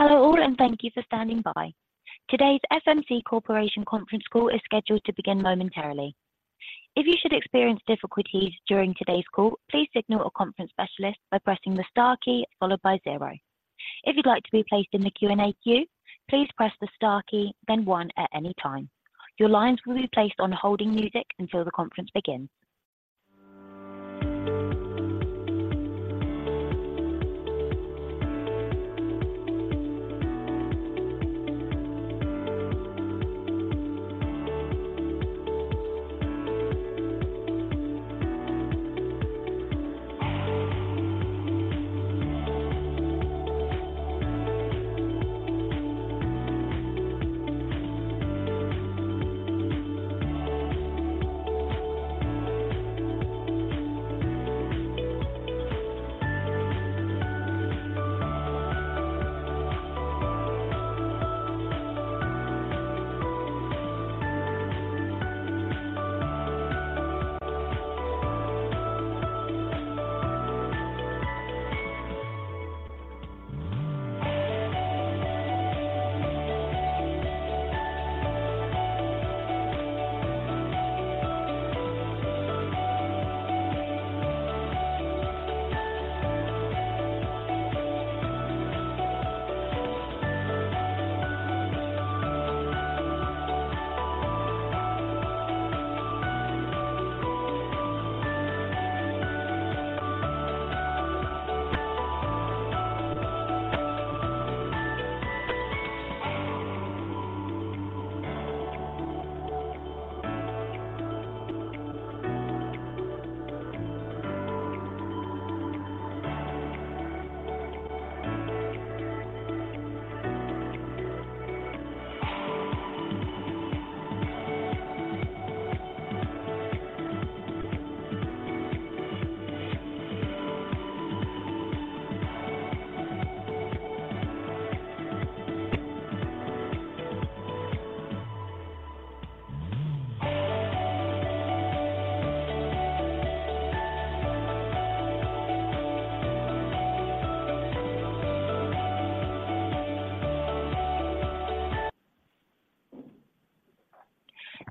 Hello, all, and thank you for standing by. Today's FMC Corporation conference call is scheduled to begin momentarily. If you should experience difficulties during today's call, please signal a conference specialist by pressing the star key followed by zero. If you'd like to be placed in the Q&A queue, please press the star key, then one at any time. Your lines will be placed on holding music until the conference begins.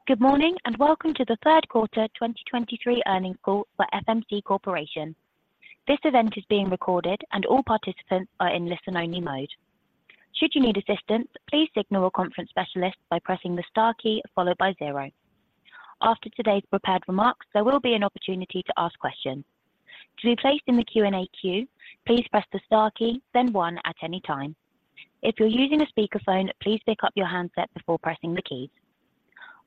Good morning, and welcome to the third quarter 2023 earnings call for FMC Corporation. This event is being recorded and all participants are in listen-only mode. Should you need assistance, please signal a conference specialist by pressing the star key followed by zero. After today's prepared remarks, there will be an opportunity to ask questions. To be placed in the Q&A queue, please press the star key, then one at any time. If you're using a speakerphone, please pick up your handset before pressing the keys.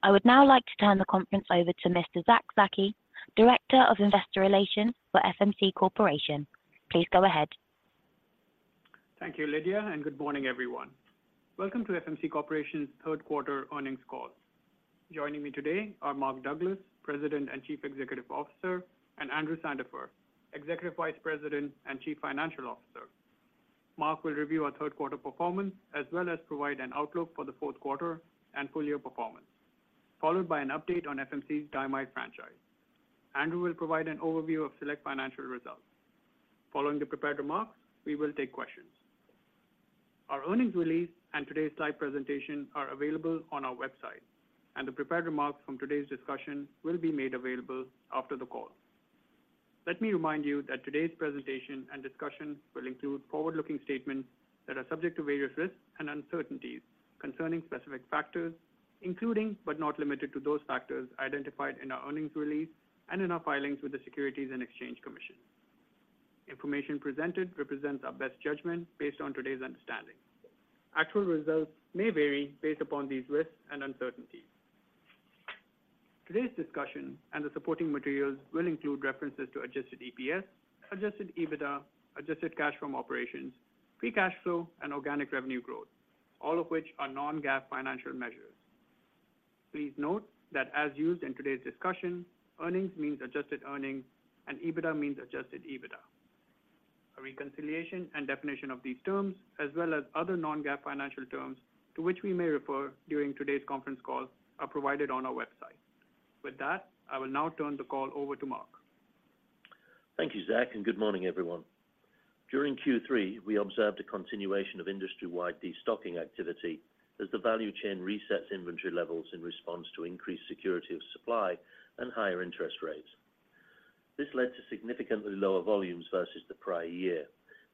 I would now like to turn the conference over to Mr. Zack Zaki, Director of Investor Relations for FMC Corporation. Please go ahead. Thank you, Lydia, and good morning, everyone. Welcome to FMC Corporation's third quarter earnings call. Joining me today are Mark Douglas, President and Chief Executive Officer, and Andrew Sandifer, Executive Vice President and Chief Financial Officer. Mark will review our third quarter performance, as well as provide an outlook for the fourth quarter and full year performance, followed by an update on FMC's diamide franchise. Andrew will provide an overview of select financial results. Following the prepared remarks, we will take questions. Our earnings release and today's live presentation are available on our website, and the prepared remarks from today's discussion will be made available after the call. Let me remind you that today's presentation and discussion will include forward-looking statements that are subject to various risks and uncertainties concerning specific factors, including, but not limited to, those factors identified in our earnings release and in our filings with the Securities and Exchange Commission. Information presented represents our best judgment based on today's understanding. Actual results may vary based upon these risks and uncertainties. Today's discussion and the supporting materials will include references to adjusted EPS, adjusted EBITDA, adjusted cash from operations, free cash flow, and organic revenue growth, all of which are non-GAAP financial measures. Please note that as used in today's discussion, earnings means adjusted earnings and EBITDA means adjusted EBITDA. A reconciliation and definition of these terms, as well as other non-GAAP financial terms to which we may refer during today's conference call, are provided on our website. With that, I will now turn the call over to.. Thank you, Zack, and good morning, everyone. During Q3, we observed a continuation of industry-wide destocking activity as the value chain resets inventory levels in response to increased security of supply and higher interest rates. This led to significantly lower volumes versus the prior year,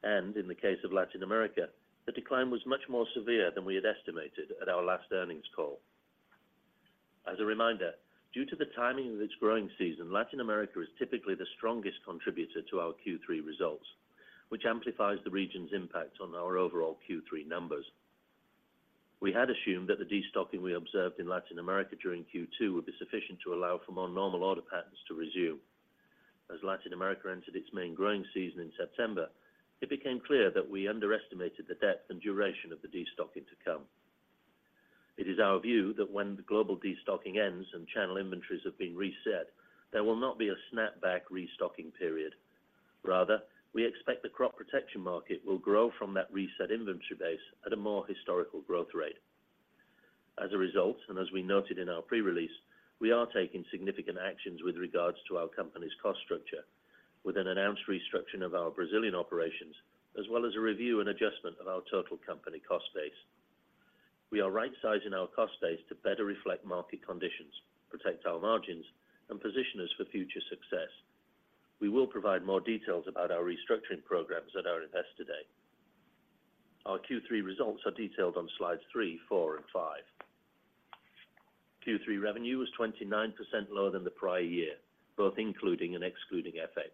and in the case of Latin America, the decline was much more severe than we had estimated at our last earnings call. As a reminder, due to the timing of its growing season, Latin America is typically the strongest contributor to our Q3 results, which amplifies the region's impact on our overall Q3 numbers. We had assumed that the destocking we observed in Latin America during Q2 would be sufficient to allow for more normal order patterns to resume. As Latin America entered its main growing season in September, it became clear that we underestimated the depth and duration of the destocking to come. It is our view that when the global destocking ends and channel inventories have been reset, there will not be a snapback restocking period. Rather, we expect the crop protection market will grow from that reset inventory base at a more historical growth rate. As a result, and as we noted in our pre-release, we are taking significant actions with regards to our company's cost structure, with an announced restructuring of our Brazilian operations, as well as a review and adjustment of our total company cost base. We are rightsizing our cost base to better reflect market conditions, protect our margins, and position us for future success. We will provide more details about our restructuring programs at our Investor Day. Our Q3 results are detailed on Slides three, four, and five. Q3 revenue was 29% lower than the prior year, both including and excluding FX,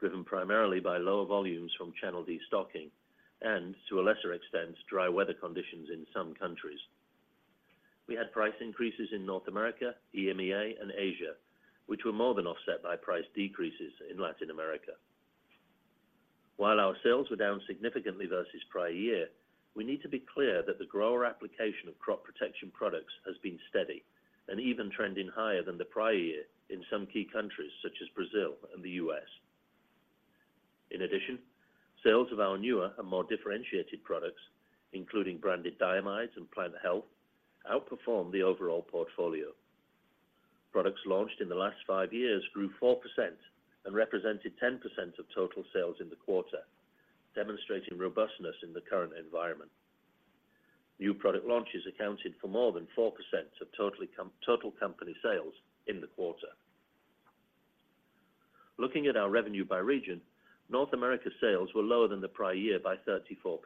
driven primarily by lower volumes from channel destocking and, to a lesser extent, dry weather conditions in some countries. We had price increases in North America, EMEA, and Asia, which were more than offset by price decreases in Latin America. While our sales were down significantly versus prior year, we need to be clear that the grower application of crop protection products has been steady and even trending higher than the prior year in some key countries, such as Brazil and the U.S. In addition, sales of our newer and more differentiated products, including branded diamides and plant health, outperformed the overall portfolio. Products launched in the last five years grew 4% and represented 10% of total sales in the quarter, demonstrating robustness in the current environment. New product launches accounted for more than 4% of total company sales in the quarter. Looking at our revenue by region, North America sales were lower than the prior year by 34%.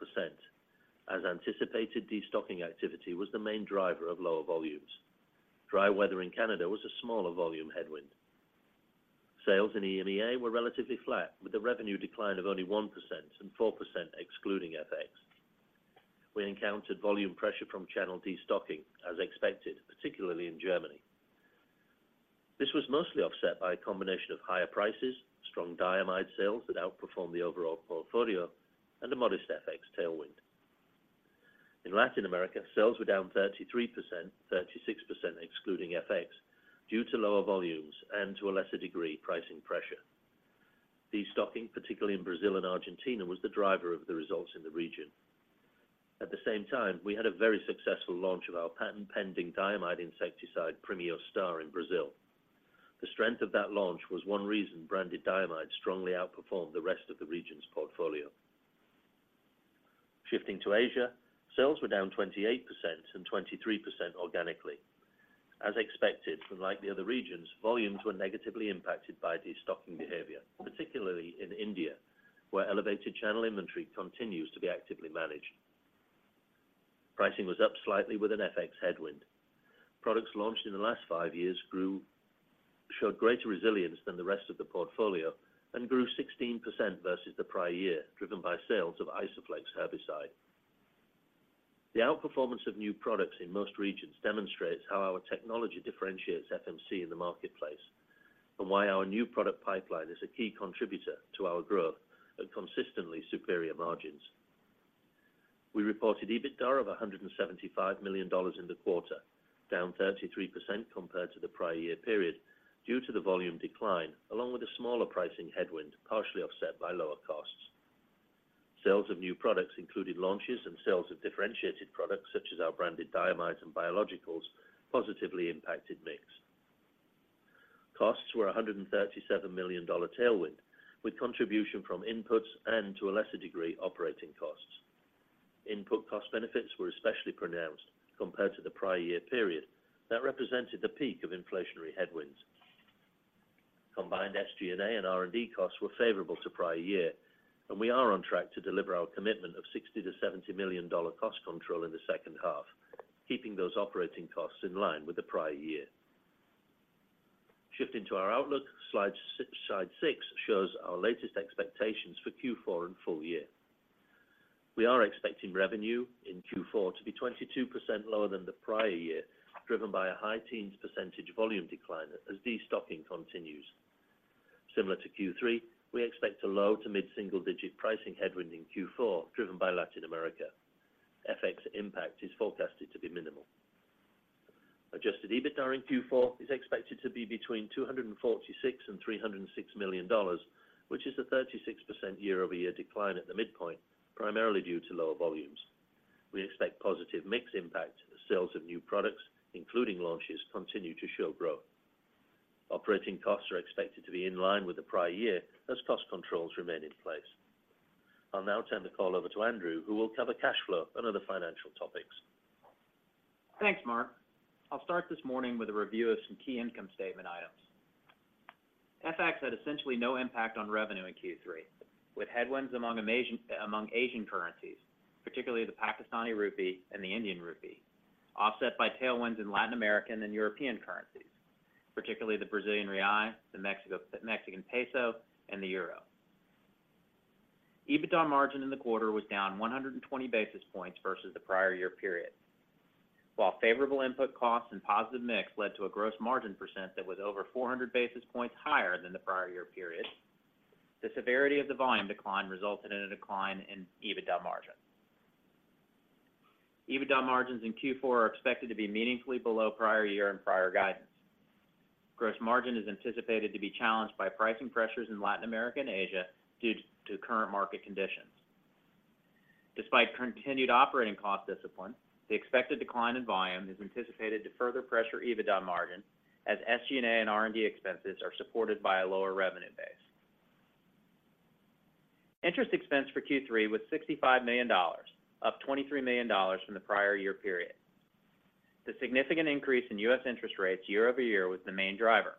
As anticipated, destocking activity was the main driver of lower volumes. Dry weather in Canada was a smaller volume headwind. Sales in EMEA were relatively flat, with a revenue decline of only 1% and 4% excluding FX. We encountered volume pressure from channel destocking as expected, particularly in Germany. This was mostly offset by a combination of higher prices, strong diamide sales that outperformed the overall portfolio, and a modest FX tailwind. In Latin America, sales were down 33%, 36% excluding FX, due to lower volumes and, to a lesser degree, pricing pressure. Destocking, particularly in Brazil and Argentina, was the driver of the results in the region. At the same time, we had a very successful launch of our patent-pending diamide insecticide, Premio Star, in Brazil. The strength of that launch was one reason branded diamide strongly outperformed the rest of the region's portfolio. Shifting to Asia, sales were down 28% and 23% organically. As expected, from like the other regions, volumes were negatively impacted by destocking behavior, particularly in India, where elevated channel inventory continues to be actively managed. Pricing was up slightly with an FX headwind. Products launched in the last five years showed greater resilience than the rest of the portfolio and grew 16% versus the prior year, driven by sales of Isoflex herbicide. The outperformance of new products in most regions demonstrates how our technology differentiates FMC in the marketplace and why our new product pipeline is a key contributor to our growth at consistently superior margins. We reported EBITDA of $175 million in the quarter, down 33% compared to the prior year period, due to the volume decline, along with a smaller pricing headwind, partially offset by lower costs. Sales of new products included launches and sales of differentiated products, such as our branded diamides and biologicals, positively impacted mix. Costs were a $137 million tailwind, with contribution from inputs and, to a lesser degree, operating costs. Input cost benefits were especially pronounced compared to the prior year period that represented the peak of inflationary headwinds. Combined SG&A and R&D costs were favorable to prior year, and we are on track to deliver our commitment of $60 million-$70 million cost control in the second half, keeping those operating costs in line with the prior year. Shifting to our outlook, Slide six shows our latest expectations for Q4 and full year. We are expecting revenue in Q4 to be 22% lower than the prior year, driven by a high teens % volume decline as destocking continues. Similar to Q3, we expect a low- to mid-single-digit pricing headwind in Q4, driven by Latin America. FX impact is forecasted to be minimal. Adjusted EBITDA in Q4 is expected to be between $246 million and $306 million, which is a 36% year-over-year decline at the midpoint, primarily due to lower volumes. We expect positive mix impact as sales of new products, including launches, continue to show growth. Operating costs are expected to be in line with the prior year as cost controls remain in place. I'll now turn the call over to Andrew who will cover cash flow and other financial topics. Thanks, Mark. I'll start this morning with a review of some key income statement items. FX had essentially no impact on revenue in Q3, with headwinds among Asian currencies, particularly the Pakistani rupee and the Indian rupee, offset by tailwinds in Latin American and European currencies, particularly the Brazilian real, the Mexican peso, and the euro. EBITDA margin in the quarter was down 100 basis points versus the prior year period. While favorable input costs and positive mix led to a gross margin percent that was over 400 basis points higher than the prior year period, the severity of the volume decline resulted in a decline in EBITDA margin. EBITDA margins in Q4 are expected to be meaningfully below prior year and prior guidance. Gross margin is anticipated to be challenged by pricing pressures in Latin America and Asia due to current market conditions. Despite continued operating cost discipline, the expected decline in volume is anticipated to further pressure EBITDA margin, as SG&A and R&D expenses are supported by a lower revenue base. Interest expense for Q3 was $65 million, up $23 million from the prior year period. The significant increase in U.S. interest rates year-over-year was the main driver.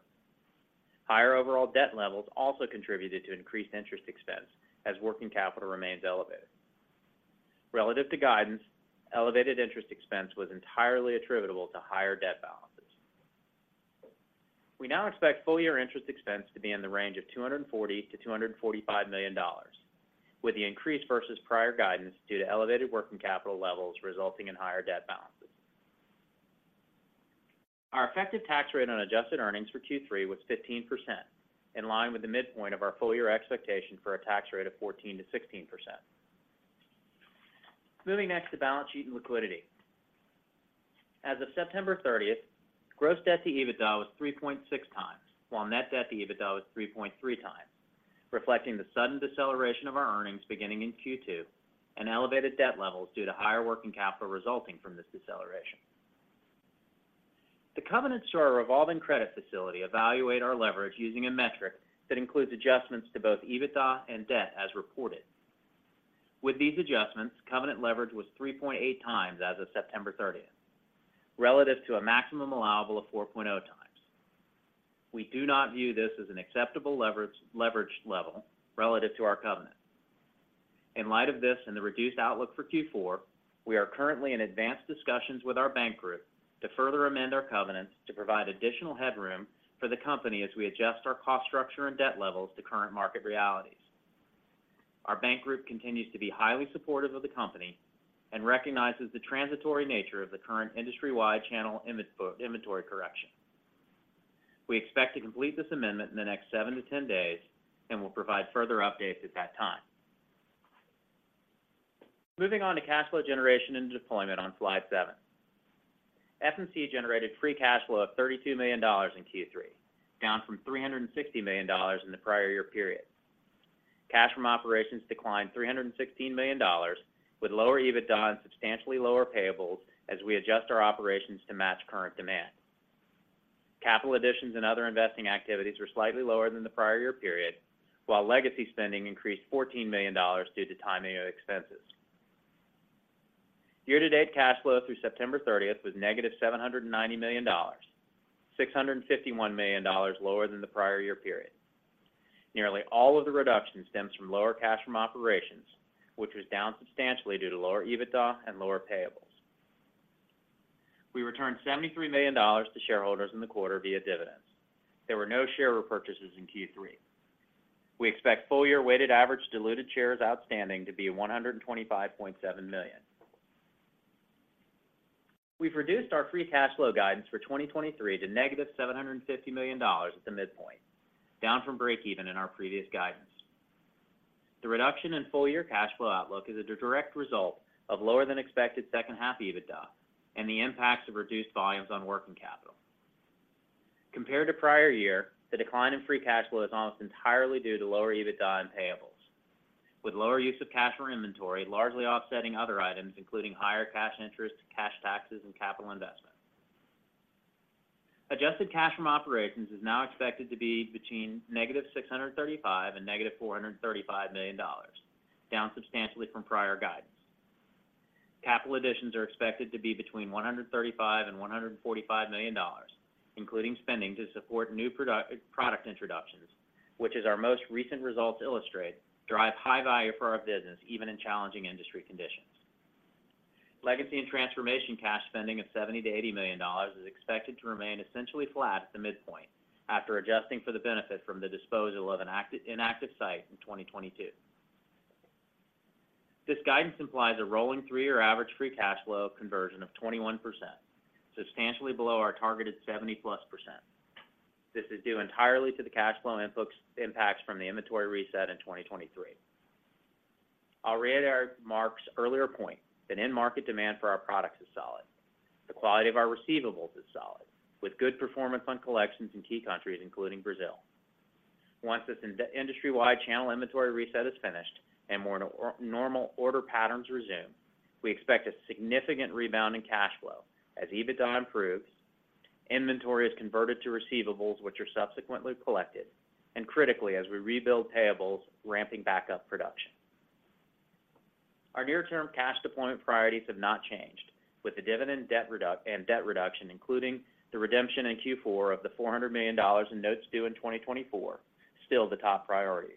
Higher overall debt levels also contributed to increased interest expense, as working capital remains elevated. Relative to guidance, elevated interest expense was entirely attributable to higher debt balances. We now expect full-year interest expense to be in the range of $240 million-$245 million, with the increase versus prior guidance due to elevated working capital levels resulting in higher debt balances. Our effective tax rate on adjusted earnings for Q3 was 15%, in line with the midpoint of our full-year expectation for a tax rate of 14%-16%. Moving next to balance sheet and liquidity. As of September 30th, gross debt to EBITDA was 3.6x, while net debt to EBITDA was 3.3x, reflecting the sudden deceleration of our earnings beginning in Q2 and elevated debt levels due to higher working capital resulting from this deceleration. The covenants to our revolving credit facility evaluate our leverage using a metric that includes adjustments to both EBITDA and debt as reported. With these adjustments, covenant leverage was 3.8x as of September 30th, relative to a maximum allowable of 4.0x. We do not view this as an acceptable leverage, leverage level relative to our covenant. In light of this and the reduced outlook for Q4, we are currently in advanced discussions with our bank group to further amend our covenants to provide additional headroom for the company as we adjust our cost structure and debt levels to current market realities. Our bank group continues to be highly supportive of the company and recognizes the transitory nature of the current industry-wide channel inventory correction. We expect to complete this amendment in the next seven to 10 days and will provide further updates at that time. Moving on to cash flow generation and deployment on Slide seven. FMC generated Free Cash Flow of $32 million in Q3, down from $360 million in the prior year period. Cash from operations declined $316 million, with lower EBITDA and substantially lower payables as we adjust our operations to match current demand. Capital additions and other investing activities were slightly lower than the prior year period, while legacy spending increased $14 million due to timing of expenses. Year-to-date cash flow through September 30 was -$790 million, $651 million lower than the prior year period. Nearly all of the reduction stems from lower cash from operations, which was down substantially due to lower EBITDA and lower payables. We returned $73 million to shareholders in the quarter via dividends. There were no share repurchases in Q3. We expect full-year weighted average diluted shares outstanding to be 125.7 million. We've reduced our Free Cash Flow guidance for 2023 to negative $750 million at the midpoint, down from breakeven in our previous guidance. The reduction in full-year cash flow outlook is a direct result of lower than expected second half EBITDA and the impacts of reduced volumes on working capital. Compared to prior year, the decline in Free Cash Flow is almost entirely due to lower EBITDA and payables, with lower use of cash from inventory, largely offsetting other items, including higher cash interest, cash taxes, and capital investment. Adjusted cash from operations is now expected to be between negative $635 million and negative $435 million, down substantially from prior guidance. Capital additions are expected to be between $135 million and $145 million, including spending to support new product introductions, which as our most recent results illustrate, drive high value for our business, even in challenging industry conditions. Legacy and transformation cash spending of $70 million-$80 million is expected to remain essentially flat at the midpoint, after adjusting for the benefit from the disposal of an inactive site in 2022. This guidance implies a rolling three-year average free cash flow conversion of 21%, substantially below our targeted 70%+. This is due entirely to the cash flow impacts, impacts from the inventory reset in 2023. I'll reiterate Mark's earlier point that end market demand for our products is solid. The quality of our receivables is solid, with good performance on collections in key countries, including Brazil. Once this industry-wide channel inventory reset is finished and more normal order patterns resume, we expect a significant rebound in cash flow as EBITDA improves, inventory is converted to receivables, which are subsequently collected, and critically, as we rebuild payables, ramping back up production. Our near-term cash deployment priorities have not changed, with the dividend, debt reduction, including the redemption in Q4 of the $400 million in notes due in 2024, still the top priorities.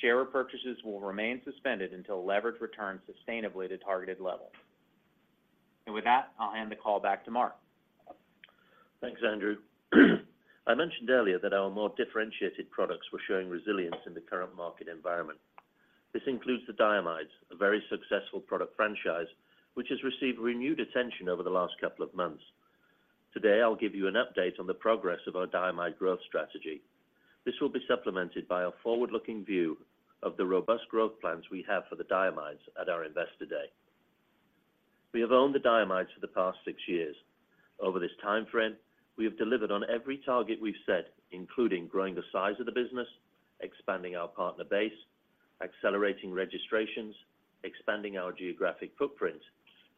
Share repurchases will remain suspended until leverage returns sustainably to targeted levels. With that, I'll hand the call back to Mark. Thanks, Andrew. I mentioned earlier that our more differentiated products were showing resilience in the current market environment. This includes the diamides, a very successful product franchise, which has received renewed attention over the last couple of months. Today, I'll give you an update on the progress of our diamide growth strategy. This will be supplemented by a forward-looking view of the robust growth plans we have for the diamides at our Investor Day.... We have owned the diamides for the past six years. Over this time frame, we have delivered on every target we've set, including growing the size of the business, expanding our partner base, accelerating registrations, expanding our geographic footprint,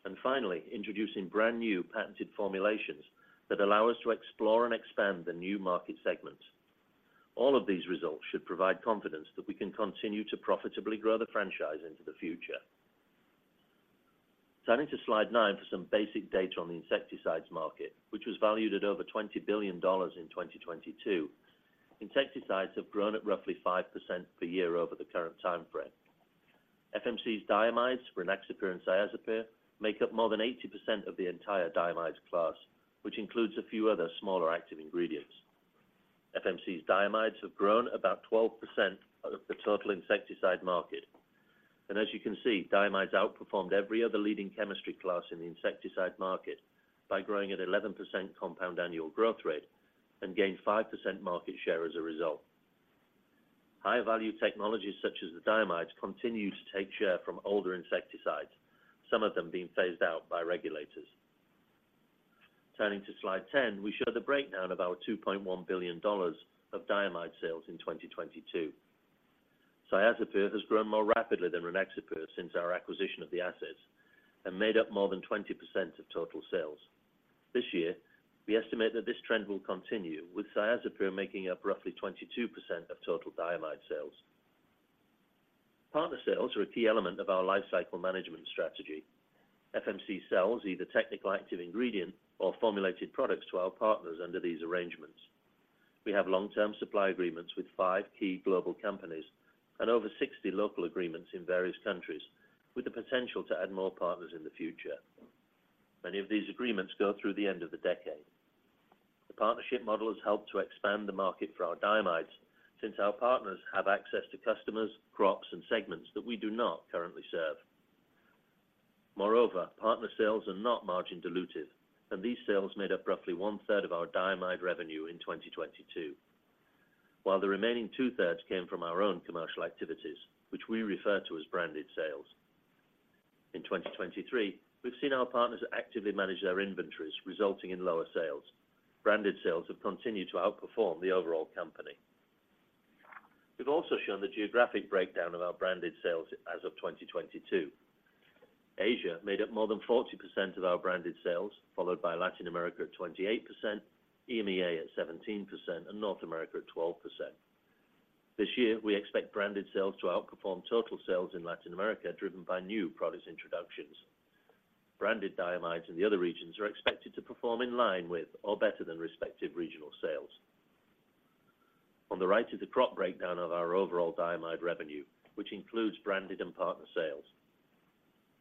and finally, introducing brand-new patented formulations that allow us to explore and expand the new market segments. All of these results should provide confidence that we can continue to profitably grow the franchise into the future. Turning to Slide nine for some basic data on the insecticides market, which was valued at over $20 billion in 2022. Insecticides have grown at roughly 5% per year over the current time frame. FMC's diamides, Rynaxypyr and Cyazypyr, make up more than 80% of the entire diamides class, which includes a few other smaller active ingredients. FMC's diamides have grown about 12% of the total insecticide market. And as you can see, diamides outperformed every other leading chemistry class in the insecticide market by growing at 11% compound annual growth rate and gained 5% market share as a result. High-value technologies such as the diamides continue to take share from older insecticides, some of them being phased out by regulators. Turning to Slide 10, we show the breakdown of our $2.1 billion of diamide sales in 2022. Cyazypyr has grown more rapidly than Rynaxypyr since our acquisition of the assets, and made up more than 20% of total sales. This year, we estimate that this trend will continue, with Cyazypyr making up roughly 22% of total diamide sales. Partner sales are a key element of our lifecycle management strategy. FMC sells either technical, active ingredient, or formulated products to our partners under these arrangements. We have long-term supply agreements with five key global companies and over 60 local agreements in various countries, with the potential to add more partners in the future. Many of these agreements go through the end of the decade. The partnership model has helped to expand the market for our diamides, since our partners have access to customers, crops, and segments that we do not currently serve. Moreover, partner sales are not margin dilutive, and these sales made up roughly one-third of our diamide revenue in 2022, while the remaining 2/3 came from our own commercial activities, which we refer to as branded sales. In 2023, we've seen our partners actively manage their inventories, resulting in lower sales. Branded sales have continued to outperform the overall company. We've also shown the geographic breakdown of our branded sales as of 2022. Asia made up more than 40% of our branded sales, followed by Latin America at 28%, EMEA at 17%, and North America at 12%. This year, we expect branded sales to outperform total sales in Latin America, driven by new product introductions. Branded diamides in the other regions are expected to perform in line with or better than respective regional sales. On the right is the crop breakdown of our overall diamide revenue, which includes branded and partner sales.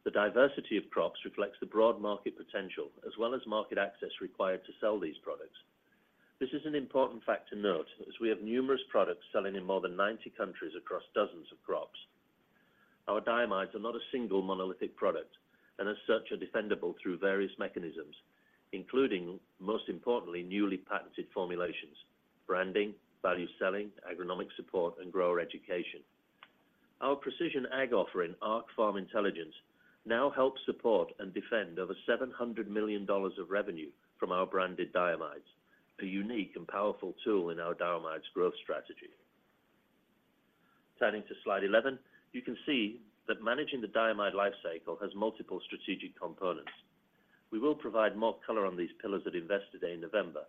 The diversity of crops reflects the broad market potential, as well as market access required to sell these products. This is an important fact to note, as we have numerous products selling in more than 90 countries across dozens of crops. Our diamides are not a single monolithic product, and as such, are defendable through various mechanisms, including, most importantly, newly patented formulations, branding, value selling, agronomic support, and grower education. Our precision ag offering, Arc Farm Intelligence, now helps support and defend over $700 million of revenue from our branded diamides, a unique and powerful tool in our diamides growth strategy. Turning to Slide 11, you can see that managing the diamide lifecycle has multiple strategic components. We will provide more color on these pillars at Investor Day in November,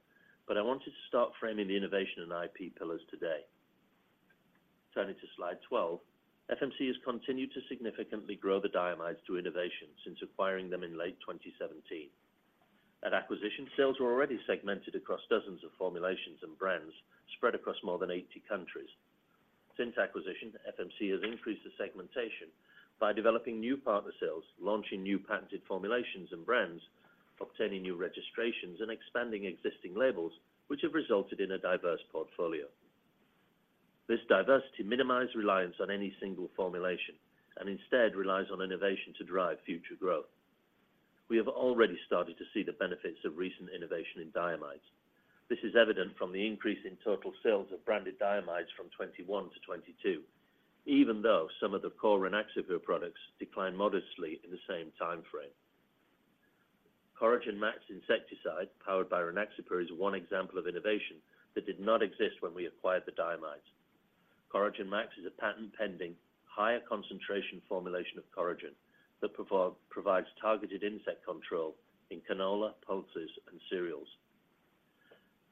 but I wanted to start framing the innovation and IP pillars today. Turning to Slide 12, FMC has continued to significantly grow the diamides through innovation since acquiring them in late 2017. At acquisition, sales were already segmented across dozens of formulations and brands spread across more than 80 countries. Since acquisition, FMC has increased the segmentation by developing new partner sales, launching new patented formulations and brands, obtaining new registrations, and expanding existing labels, which have resulted in a diverse portfolio. This diversity minimized reliance on any single formulation and instead relies on innovation to drive future growth. We have already started to see the benefits of recent innovation in diamides. This is evident from the increase in total sales of branded diamides from 2021-2022, even though some of the core Rynaxypyr products declined modestly in the same time frame. Coragen Max insecticide, powered by Rynaxypyr, is one example of innovation that did not exist when we acquired the diamides. Coragen Max is a patent-pending, higher concentration formulation of Coragen that provides targeted insect control in canola, pulses, and cereals.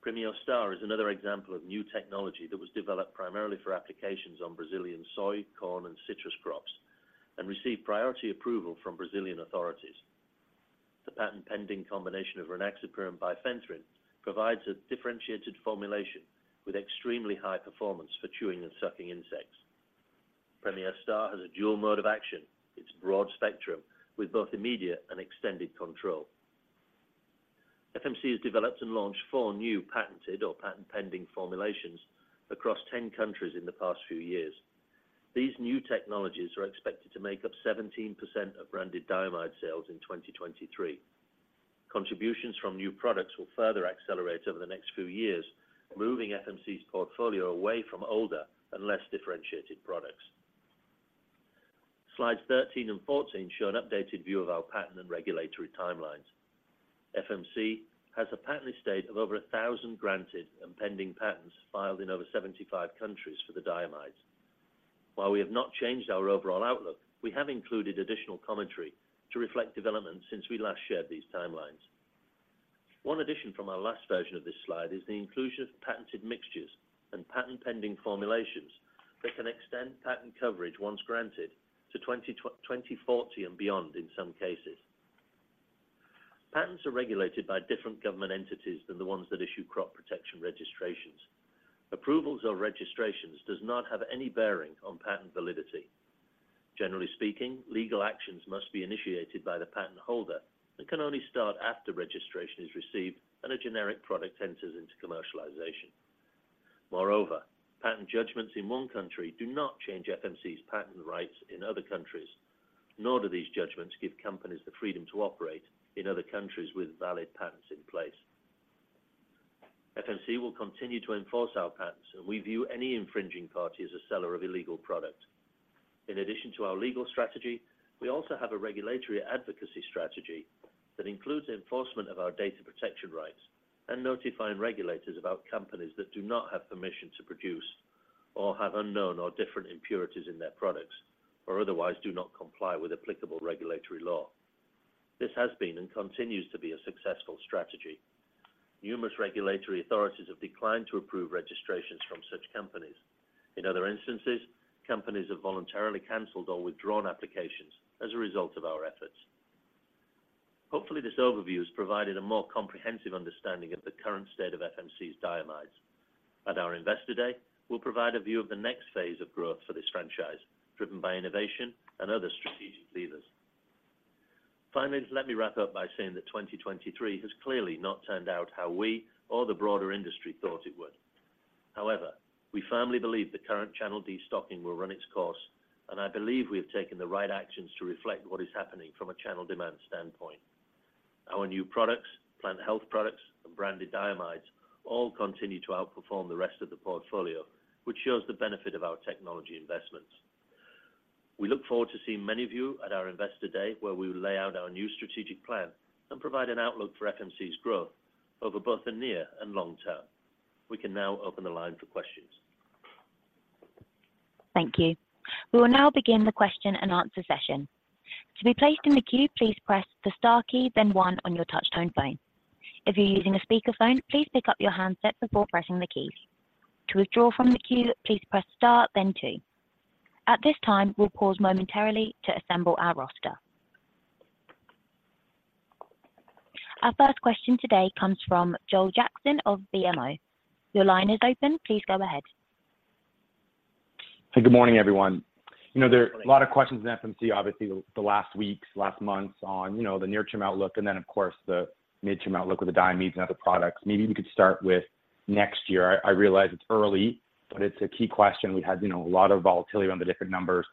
Premier Star is another example of new technology that was developed primarily for applications on Brazilian soy, corn, and citrus crops, and received priority approval from Brazilian authorities. The patent-pending combination of Rynaxypyr and bifenthrin provides a differentiated formulation with extremely high performance for chewing and sucking insects. Premier Star has a dual mode of action. It's broad-spectrum, with both immediate and extended control. FMC has developed and launched four new patented or patent-pending formulations across 10 countries in the past few years. These new technologies are expected to make up 17% of branded diamide sales in 2023. Contributions from new products will further accelerate over the next few years, moving FMC's portfolio away from older and less differentiated products. Slides 13 and 14 show an updated view of our patent and regulatory timelines. FMC has a patent estate of over 1,000 granted and pending patents filed in over 75 countries for the diamides. While we have not changed our overall outlook, we have included additional commentary to reflect developments since we last shared these timelines. One addition from our last version of this slide is the inclusion of patented mixtures and patent pending formulations that can extend patent coverage once granted to 2040 and beyond, in some cases. Patents are regulated by different government entities than the ones that issue crop protection registrations. Approvals or registrations does not have any bearing on patent validity. Generally speaking, legal actions must be initiated by the patent holder and can only start after registration is received and a generic product enters into commercialization. Moreover, patent judgments in one country do not change FMC's patent rights in other countries, nor do these judgments give companies the freedom to operate in other countries with valid patents in place. FMC will continue to enforce our patents, and we view any infringing party as a seller of illegal product. In addition to our legal strategy, we also have a regulatory advocacy strategy that includes enforcement of our data protection rights and notifying regulators about companies that do not have permission to produce, or have unknown or different impurities in their products, or otherwise do not comply with applicable regulatory law. This has been and continues to be a successful strategy. Numerous regulatory authorities have declined to approve registrations from such companies. In other instances, companies have voluntarily canceled or withdrawn applications as a result of our efforts. Hopefully, this overview has provided a more comprehensive understanding of the current state of FMC's diamides. At our Investor Day, we'll provide a view of the next phase of growth for this franchise, driven by innovation and other strategic levers. Finally, let me wrap up by saying that 2023 has clearly not turned out how we or the broader industry thought it would. However, we firmly believe the current channel destocking will run its course, and I believe we have taken the right actions to reflect what is happening from a channel demand standpoint. Our new products, plant health products, and branded diamides all continue to outperform the rest of the portfolio, which shows the benefit of our technology investments. We look forward to seeing many of you at our Investor Day, where we will lay out our new strategic plan and provide an outlook for FMC's growth over both the near and long term. We can now open the line for questions. Thank you. We will now begin the question-and-answer session. To be placed in the queue, please press the star key, then one on your touchtone phone. If you're using a speakerphone, please pick up your handset before pressing the keys. To withdraw from the queue, please press star, then two. At this time, we'll pause momentarily to assemble our roster. Our first question today comes from Joel Jackson of BMO. Your line is open. Please go ahead. Hey, good morning, everyone. You know, there are a lot of questions in FMC, obviously, the last weeks, last months on, you know, the near-term outlook and then, of course, the mid-term outlook with the diamides and other products. Maybe we could start with next year. I, I realize it's early, but it's a key question. We've had, you know, a lot of volatility around the different numbers.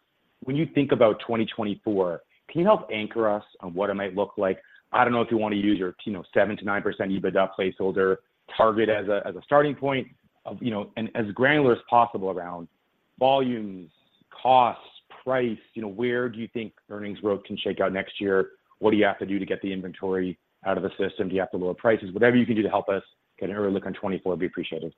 When you think about 2024, can you help anchor us on what it might look like? I don't know if you want to use your, you know, 7%-9% EBITDA placeholder target as a, as a starting point of, you know, and as granular as possible around volumes, costs, price. You know, where do you think earnings growth can shake out next year? What do you have to do to get the inventory out of the system? Do you have to lower prices? Whatever you can do to help us get an early look on 2024 will be appreciated.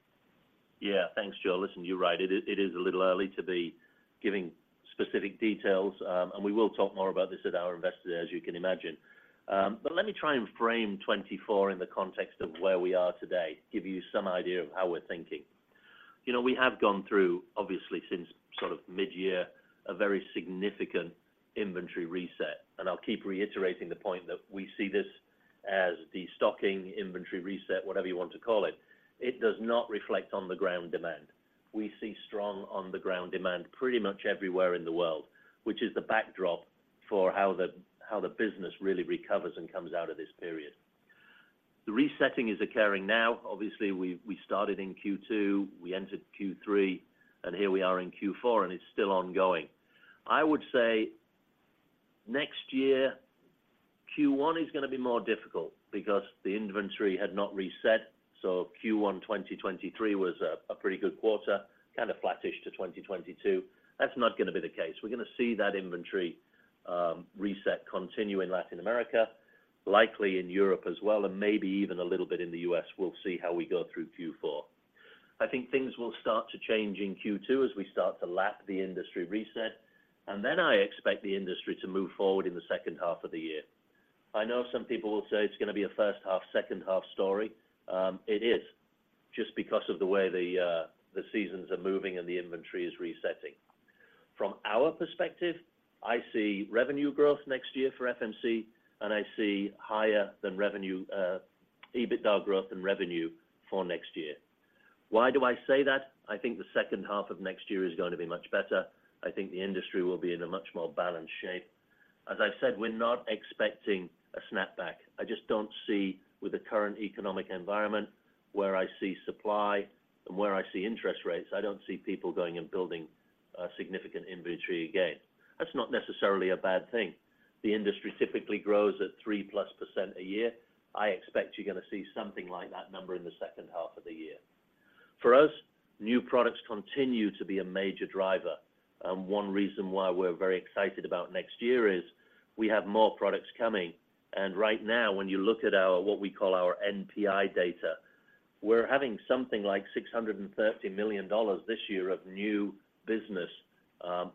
Yeah. Thanks, Joel. Listen, you're right. It is, it is a little early to be giving specific details, and we will talk more about this at our Investor Day, as you can imagine. But let me try and frame 2024 in the context of where we are today, give you some idea of how we're thinking. You know, we have gone through, obviously, since sort of mid-year, a very significant inventory reset, and I'll keep reiterating the point that we see this as destocking, inventory reset, whatever you want to call it. It does not reflect on-the-ground demand. We see strong on-the-ground demand pretty much everywhere in the world, which is the backdrop for how the, how the business really recovers and comes out of this period. The resetting is occurring now. Obviously, we started in Q2, we entered Q3, and here we are in Q4, and it's still ongoing. I would say next year, Q1 is gonna be more difficult because the inventory had not reset, so Q1 2023 was a pretty good quarter, kind of flattish to 2022. That's not gonna be the case. We're gonna see that inventory reset continue in Latin America, likely in Europe as well, and maybe even a little bit in the U.S. We'll see how we go through Q4. I think things will start to change in Q2 as we start to lap the industry reset, and then I expect the industry to move forward in the second half of the year. I know some people will say it's gonna be a first half, second half story. It is just because of the way the seasons are moving and the inventory is resetting. From our perspective, I see revenue growth next year for FMC, and I see higher than revenue EBITDA growth than revenue for next year. Why do I say that? I think the second half of next year is going to be much better. I think the industry will be in a much more balanced shape. As I've said, we're not expecting a snapback. I just don't see, with the current economic environment, where I see supply and where I see interest rates, I don't see people going and building a significant inventory gain. That's not necessarily a bad thing. The industry typically grows at 3%+ a year. I expect you're going to see something like that number in the second half of the year. For us, new products continue to be a major driver, and one reason why we're very excited about next year is we have more products coming. And right now, when you look at our, what we call our NPI data, we're having something like $630 million this year of new business,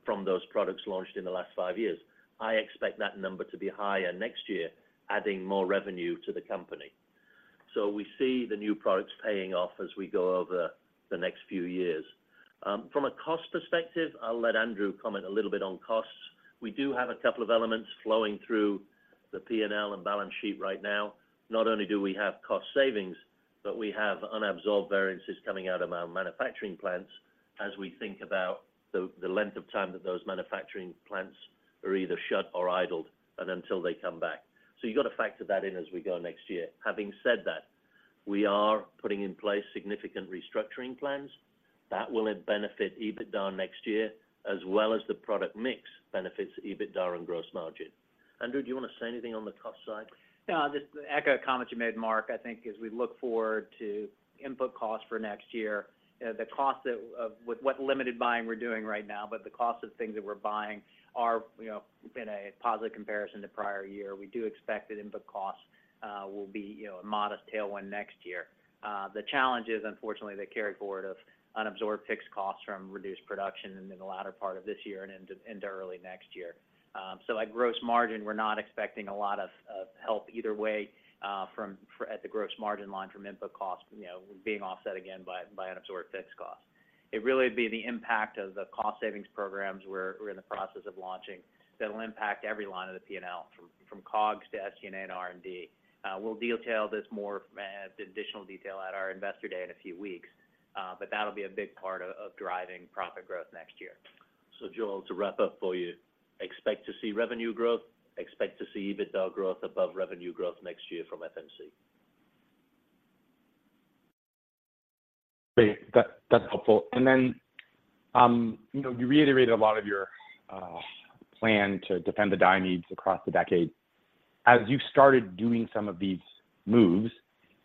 from those products launched in the last five years. I expect that number to be higher next year, adding more revenue to the company. So we see the new products paying off as we go over the next few years. From a cost perspective, I'll let Andrew comment a little bit on costs. We do have a couple of elements flowing through the P&L and balance sheet right now. Not only do we have cost savings, but we have unabsorbed variances coming out of our manufacturing plants as we think about the length of time that those manufacturing plants are either shut or idled, and until they come back. So you've got to factor that in as we go next year. Having said that, we are putting in place significant restructuring plans that will benefit EBITDA next year, as well as the product mix benefits EBITDA and gross margin. Andrew, do you want to say anything on the cost side? No, just to echo a comment you made, Mark. I think as we look forward to input costs for next year, the cost of with what limited buying we're doing right now, but the cost of things that we're buying are, you know, in a positive comparison to prior year. We do expect that input costs will be, you know, a modest tailwind next year. The challenge is, unfortunately, the carry forward of unabsorbed fixed costs from reduced production in the latter part of this year and into early next year. So at gross margin, we're not expecting a lot of help either way from at the gross margin line, from input costs, you know, being offset again by unabsorbed fixed costs. It really be the impact of the cost savings programs we're in the process of launching that will impact every line of the P&L, from COGS to SG&A and R&D. We'll detail this more, the additional detail at our Investor Day in a few weeks, but that'll be a big part of driving profit growth next year. So, Joel, to wrap up for you, expect to see revenue growth, expect to see EBITDA growth above revenue growth next year from FMC. Great. That, that's helpful. And then, you know, you reiterated a lot of your plan to defend the diamide across the decade. As you started doing some of these moves,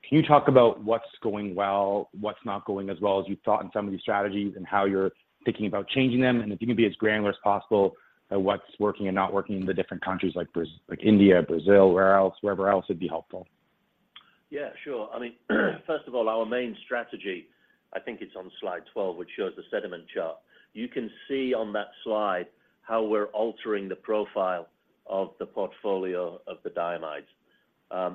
can you talk about what's going well, what's not going as well as you thought in some of these strategies, and how you're thinking about changing them? And if you can be as granular as possible at what's working and not working in the different countries like Brazil, like India, Brazil, where else? Wherever else would be helpful. Yeah, sure. I mean, first of all, our main strategy, I think it's on slide 12, which shows the segment chart. You can see on that slide how we're altering the profile of the portfolio of the diamides.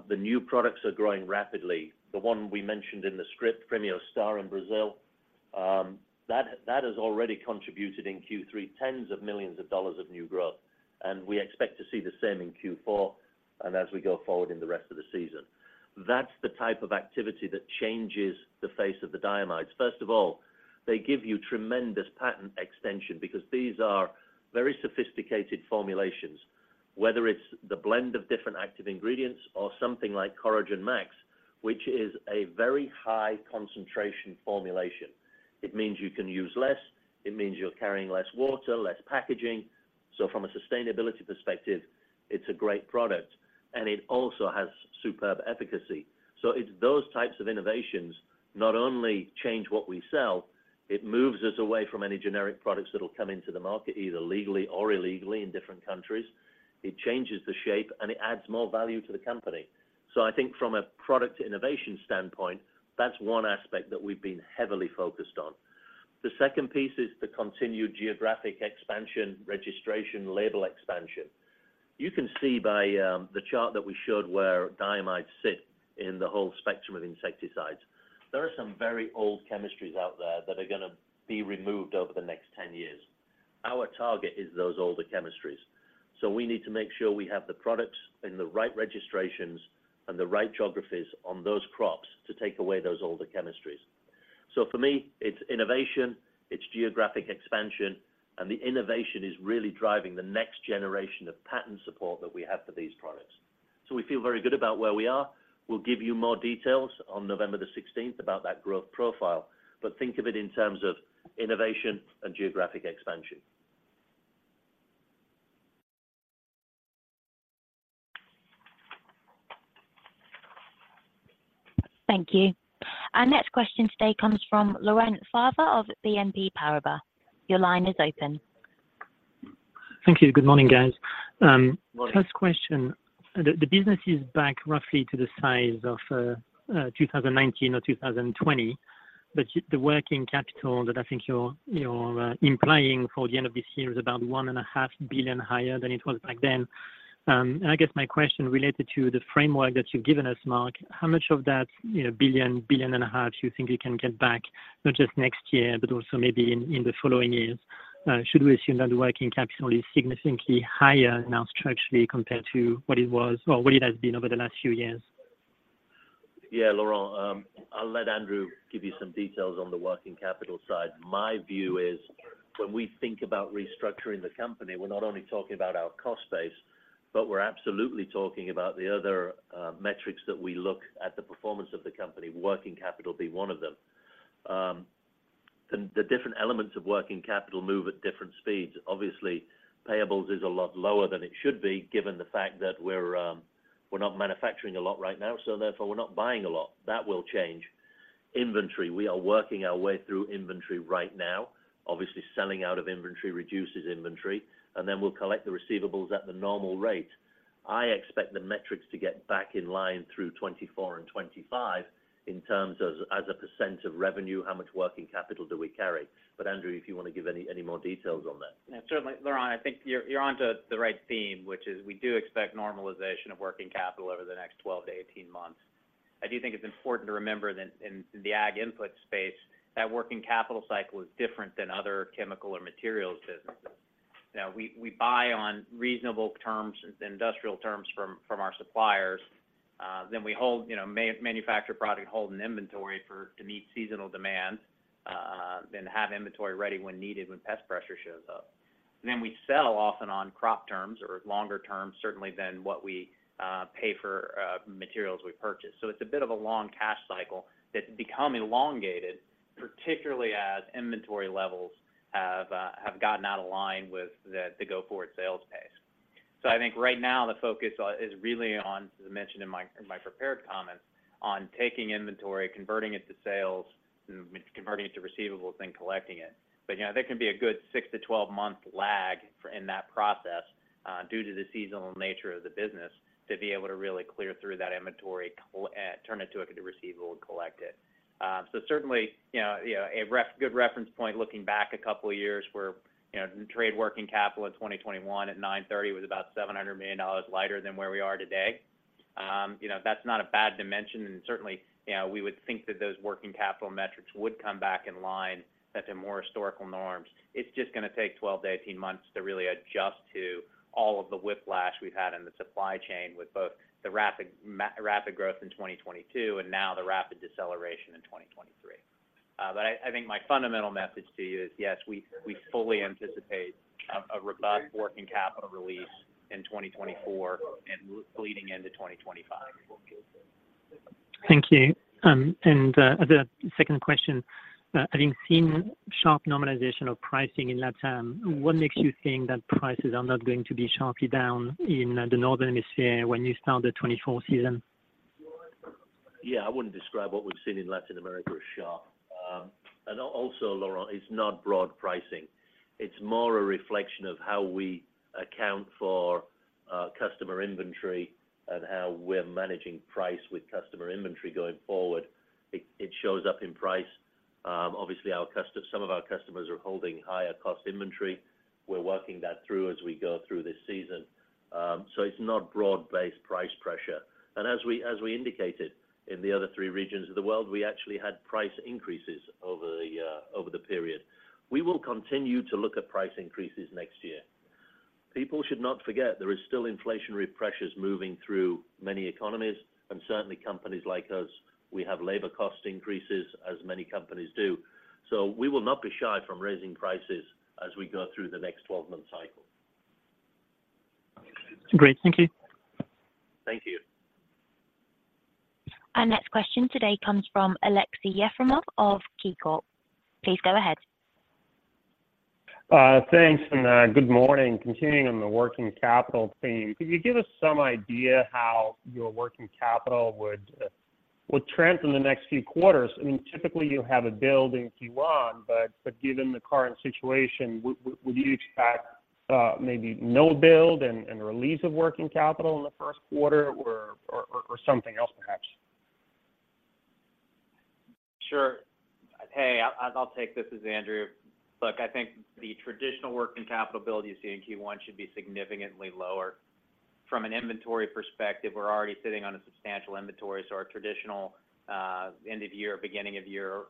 The new products are growing rapidly. The one we mentioned in the script, Premier Star in Brazil, that has already contributed in Q3, $10s of millions of new growth, and we expect to see the same in Q4 and as we go forward in the rest of the season. That's the type of activity that changes the face of the diamides. First of all, they give you tremendous patent extension because these are very sophisticated formulations, whether it's the blend of different active ingredients or something like Coragen Max, which is a very high concentration formulation. It means you can use less, it means you're carrying less water, less packaging. So from a sustainability perspective, it's a great product, and it also has superb efficacy. So it's those types of innovations not only change what we sell, it moves us away from any generic products that will come into the market, either legally or illegally in different countries. It changes the shape, and it adds more value to the company. So I think from a product innovation standpoint, that's one aspect that we've been heavily focused on. The second piece is the continued geographic expansion, registration, label expansion. You can see by the chart that we showed where diamides sit in the whole spectrum of insecticides. There are some very old chemistries out there that are gonna be removed over the next 10 years. Our target is those older chemistries, so we need to make sure we have the products in the right registrations and the right geographies on those crops to take away those older chemistries. So for me, it's innovation, it's geographic expansion, and the innovation is really driving the next generation of patent support that we have for these products. So we feel very good about where we are. We'll give you more details on November the 16th about that growth profile, but think of it in terms of innovation and geographic expansion. Thank you. Our next question today comes from Laurent Favre of BNP Paribas. Your line is open. Thank you. Good morning, guys. Morning. First question, the business is back roughly to the size of 2019 or 2020, but the working capital that I think you're implying for the end of this year is about $1.5 billion higher than it was back then. And I guess my question related to the framework that you've given us, Mark, how much of that, you know, $1 billion-$1.5 billion do you think you can get back, not just next year, but also maybe in the following years? Should we assume that the working capital is significantly higher now structurally, compared to what it was or what it has been over the last few years? Yeah, Laurent, I'll let Andrew give you some details on the working capital side. My view is when we think about restructuring the company, we're not only talking about our cost base but we're absolutely talking about the other metrics that we look at the performance of the company, working capital being one of them. And the different elements of working capital move at different speeds. Obviously, payables is a lot lower than it should be, given the fact that we're not manufacturing a lot right now, so therefore, we're not buying a lot. That will change. Inventory, we are working our way through inventory right now. Obviously, selling out of inventory reduces inventory, and then we'll collect the receivables at the normal rate. I expect the metrics to get back in line through 2024 and 2025 in terms of, as a % of revenue, how much working capital do we carry? But Andrew, if you want to give any more details on that. Yeah, certainly, Laurent, I think you're onto the right theme, which is we do expect normalization of working capital over the next 12-18 months. I do think it's important to remember that in the ag input space, that working capital cycle is different than other chemical or materials businesses. Now, we buy on reasonable terms, industrial terms from our suppliers. Then we hold, you know, manufacture product, hold an inventory for to meet seasonal demands, then have inventory ready when needed, when pest pressure shows up. Then we sell off and on crop terms or longer terms, certainly than what we pay for materials we purchase. So it's a bit of a long cash cycle that's become elongated, particularly as inventory levels have gotten out of line with the go-forward sales pace. So I think right now the focus is really on, as I mentioned in my prepared comments, on taking inventory, converting it to sales, and converting it to receivables, then collecting it. But, you know, there can be a good 6-12-month lag for in that process due to the seasonal nature of the business, to be able to really clear through that inventory, turn it to a receivable and collect it. So certainly, you know, a good reference point, looking back a couple of years where, you know, trade working capital in 2021 at 9/30 was about $700 million lighter than where we are today. You know, that's not a bad dimension, and certainly, you know, we would think that those working capital metrics would come back in line, that they're more historical norms. It's just going to take 12-18 months to really adjust to all of the whiplash we've had in the supply chain, with both the rapid growth in 2022 and now the rapid deceleration in 2023. But I think my fundamental message to you is, yes, we fully anticipate a robust working capital release in 2024 and leading into 2025. Thank you. And, the second question, having seen sharp normalization of pricing in Latin, what makes you think that prices are not going to be sharply down in the northern hemisphere when you start the 2024 season? Yeah, I wouldn't describe what we've seen in Latin America as sharp. And also, Laurent, it's not broad pricing. It's more a reflection of how we account for customer inventory and how we're managing price with customer inventory going forward. It shows up in price. Obviously, some of our customers are holding higher cost inventory. We're working that through as we go through this season. So it's not broad-based price pressure. And as we indicated in the other three regions of the world, we actually had price increases over the period. We will continue to look at price increases next year. People should not forget, there is still inflationary pressures moving through many economies, and certainly companies like us, we have labor cost increases, as many companies do. We will not be shy from raising prices as we go through the next 12-month cycle. Great. Thank you. Thank you. Our next question today comes from Aleksey Yefremov of KeyCorp. Please go ahead. Thanks, and good morning. Continuing on the working capital theme, could you give us some idea how your working capital would trend in the next few quarters? I mean, typically, you have a build in Q1, but given the current situation, would you expect maybe no build and a release of working capital in the first quarter or something else perhaps? Sure. Hey, I'll take this as Andrew. Look, I think the traditional working capital build you see in Q1 should be significantly lower. From an inventory perspective, we're already sitting on a substantial inventory, so our traditional, end-of-year, beginning-of-year,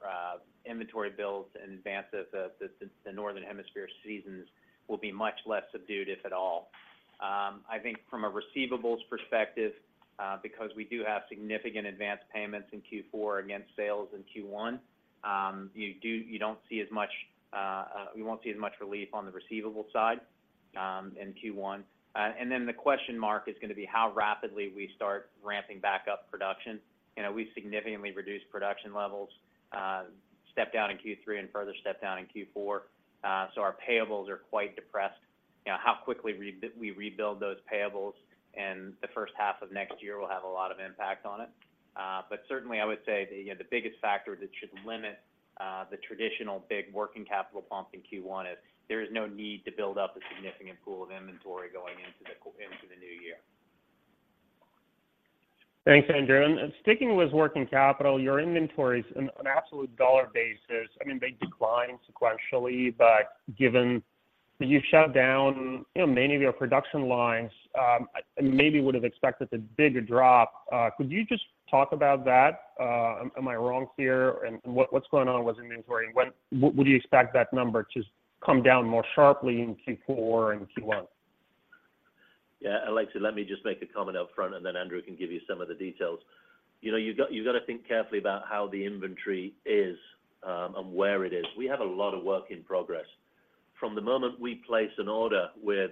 inventory builds in advance of the Northern Hemisphere seasons will be much less subdued, if at all. I think from a receivables perspective, because we do have significant advanced payments in Q4 against sales in Q1, you don't see as much, we won't see as much relief on the receivable side, in Q1. And then the question mark is going to be how rapidly we start ramping back up production. You know, we significantly reduced production levels, stepped down in Q3 and further stepped down in Q4. So our payables are quite depressed. You know, how quickly we rebuild those payables in the first half of next year will have a lot of impact on it. But certainly, I would say the, you know, the biggest factor that should limit the traditional big working capital pump in Q1 is there is no need to build up a significant pool of inventory going into the new year. Thanks, Andrew. And sticking with working capital, your inventories in an absolute dollar basis, I mean, they declined sequentially, but given that you've shut down, you know, many of your production lines, I maybe would have expected a bigger drop. Could you just talk about that? Am I wrong here? And what, what's going on with inventory, and when would you expect that number to come down more sharply in Q4 and Q1? Yeah, Aleksey, let me just make a comment up front, and then Andrew can give you some of the details... You know, you've got, you've got to think carefully about how the inventory is, and where it is. We have a lot of work in progress. From the moment we place an order with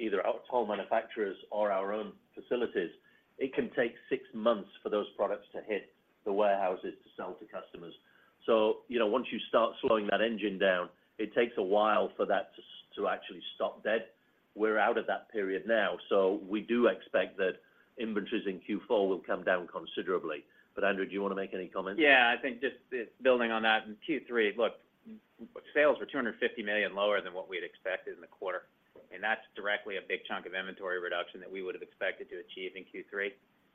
either our tool manufacturers or our own facilities, it can take six months for those products to hit the warehouses to sell to customers. So, you know, once you start slowing that engine down, it takes a while for that to actually stop dead. We're out of that period now, so we do expect that inventories in Q4 will come down considerably. But Andrew, do you want to make any comments? Yeah, I think just building on that, in Q3, look, sales were $250 million lower than what we'd expected in the quarter, and that's directly a big chunk of inventory reduction that we would have expected to achieve in Q3.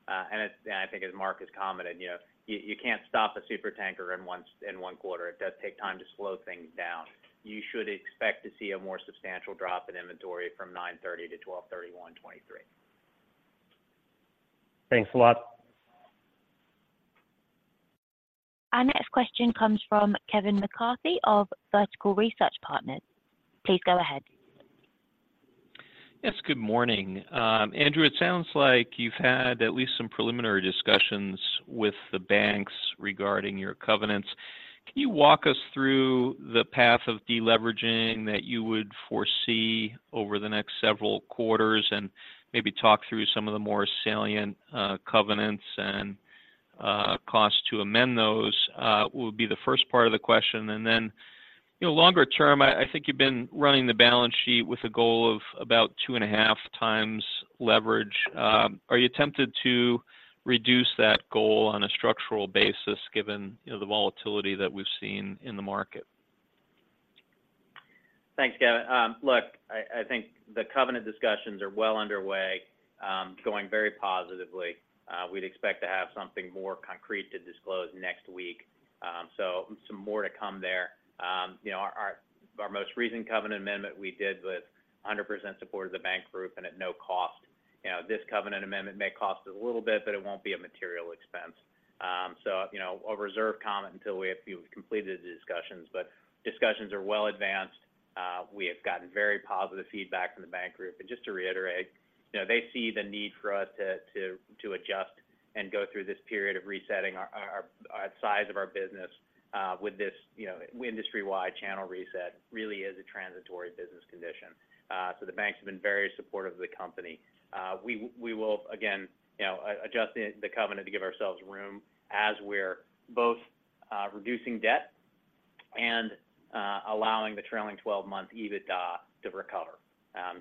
And I think as Mark has commented, you know, you can't stop a supertanker in one quarter. It does take time to slow things down. You should expect to see a more substantial drop in inventory f.om September 30 to December 31, 2023. Thanks a lot. Our next question comes from Kevin McCarthy of Vertical Research Partners. Please go ahead. Yes, good morning. Andrew, it sounds like you've had at least some preliminary discussions with the banks regarding your covenants. Can you walk us through the path of deleveraging that you would foresee over the next several quarters? And maybe talk through some of the more salient covenants and costs to amend those would be the first part of the question. And then, you know, longer term, I think you've been running the balance sheet with a goal of about 2.5x leverage. Are you tempted to reduce that goal on a structural basis, given, you know, the volatility that we've seen in the market? Thanks, Kevin. Look, I think the covenant discussions are well underway, going very positively. We'd expect to have something more concrete to disclose next week. So some more to come there. You know, our most recent covenant amendment we did with 100% support of the bank group and at no cost. You know, this covenant amendment may cost us a little bit, but it won't be a material expense. So, you know, I'll reserve comment until we have completed the discussions, but discussions are well advanced. We have gotten very positive feedback from the bank group. Just to reiterate, you know, they see the need for us to adjust and go through this period of resetting our size of our business with this, you know, industry-wide channel reset, really is a transitory business condition. So the banks have been very supportive of the company. We will, again, you know, adjust the covenant to give ourselves room as we're both reducing debt and allowing the trailing twelve-month EBITDA to recover.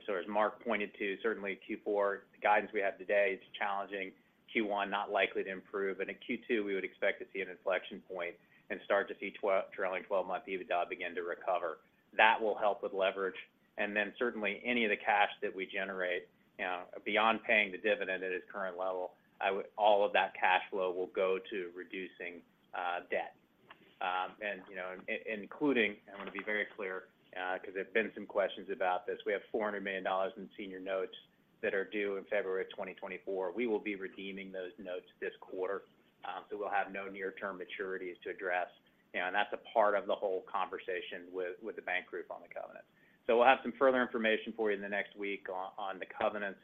So as Mark pointed to, certainly Q4, the guidance we have today is challenging, Q1, not likely to improve, and in Q2, we would expect to see an inflection point and start to see trailing 12-month EBITDA begin to recover. That will help with leverage, and then certainly any of the cash that we generate, you know, beyond paying the dividend at its current level, all of that cash flow will go to reducing, debt. And, you know, and including, I want to be very clear, because there have been some questions about this. We have $400 million in senior notes that are due in February of 2024. We will be redeeming those notes this quarter, so we'll have no near-term maturities to address. You know, and that's a part of the whole conversation with, with the bank group on the covenant. So we'll have some further information for you in the next week on, on the covenants.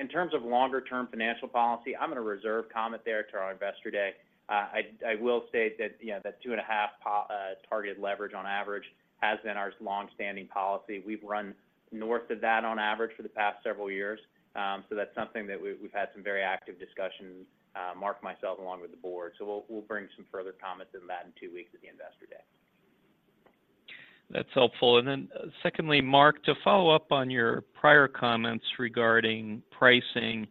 In terms of longer-term financial policy, I'm going to reserve comment there to our Investor Day. I will state that, you know, that 2.5 targeted leverage on average has been our long-standing policy. We've run north of that on average for the past several years. So that's something that we've had some very active discussions, Mark, myself, along with the board. So we'll bring some further comments on that in two weeks at the Investor Day. That's helpful. And then secondly, Mark, to follow up on your prior comments regarding pricing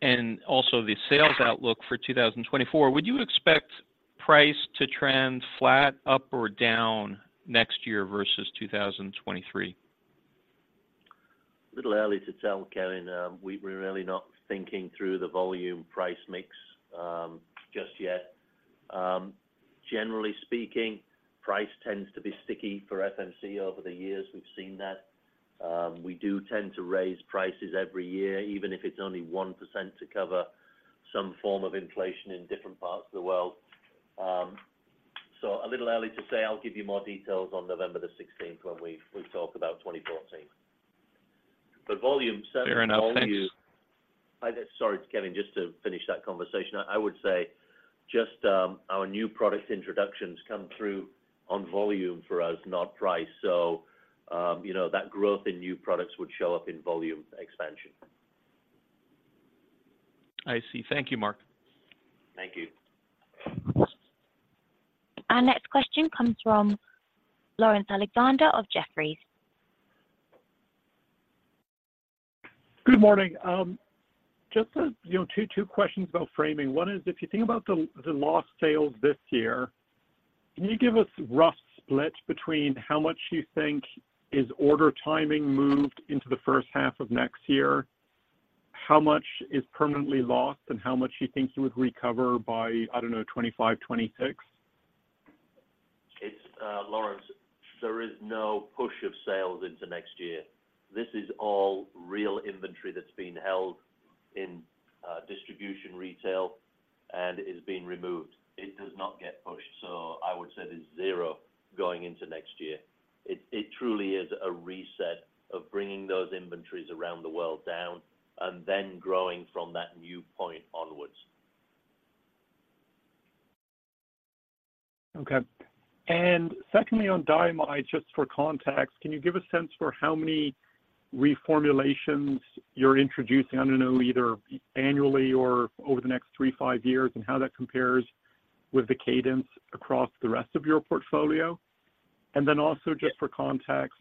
and also the sales outlook for 2024, would you expect price to trend flat, up, or down next year versus 2023? Little early to tell, Kevin. We're really not thinking through the volume price mix, just yet. Generally speaking, price tends to be sticky for FMC over the years, we've seen that. We do tend to raise prices every year, even if it's only 1%, to cover some form of inflation in different parts of the world. So a little early to say. I'll give you more details on November the sixteenth, when we talk about 2014. But volume- Fair enough. Thanks. Hi there. Sorry, Kevin, just to finish that conversation. I would say just, our new product introductions come through on volume for us, not price. So, you know, that growth in new products would show up in volume expansion. I see. Thank you, Mark. Thank you. Our next question comes from Laurence Alexander of Jefferies. Good morning. Just, you know, two questions about framing. One is, if you think about the lost sales this year, can you give us a rough split between how much you think is order timing moved into the first half of next year? How much is permanently lost, and how much you think you would recover by, I don't know, 2025, 2026? It's, Laurence, there is no push of sales into next year. This is all real inventory that's been held in distribution, retail, and is being removed. It does not get pushed, so I would say there's zero going into next year. It truly is a reset of bringing those inventories around the world down and then growing from that new point onwards. Okay. And secondly, on diamide, just for context, can you give a sense for how many reformulations you're introducing? I don't know, either annually or over the next 3-5 years, and how that compares with the cadence across the rest of your portfolio. And then also just- Yes... for context,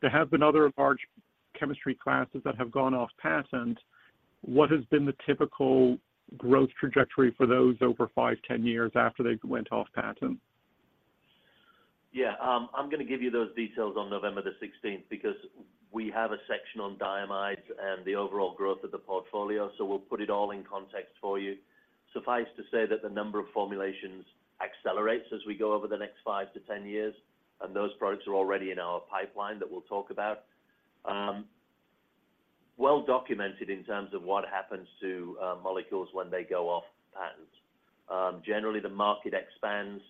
there have been other large chemistry classes that have gone off patent. What has been the typical growth trajectory for those over five, 10 years after they went off patent? Yeah, I'm gonna give you those details on November the 16th, because we have a section on diamides and the overall growth of the portfolio, so we'll put it all in context for you. Suffice to say that the number of formulations accelerates as we go over the next five to 10 years, and those products are already in our pipeline that we'll talk about. Well documented in terms of what happens to molecules when they go off patents. Generally, the market expands,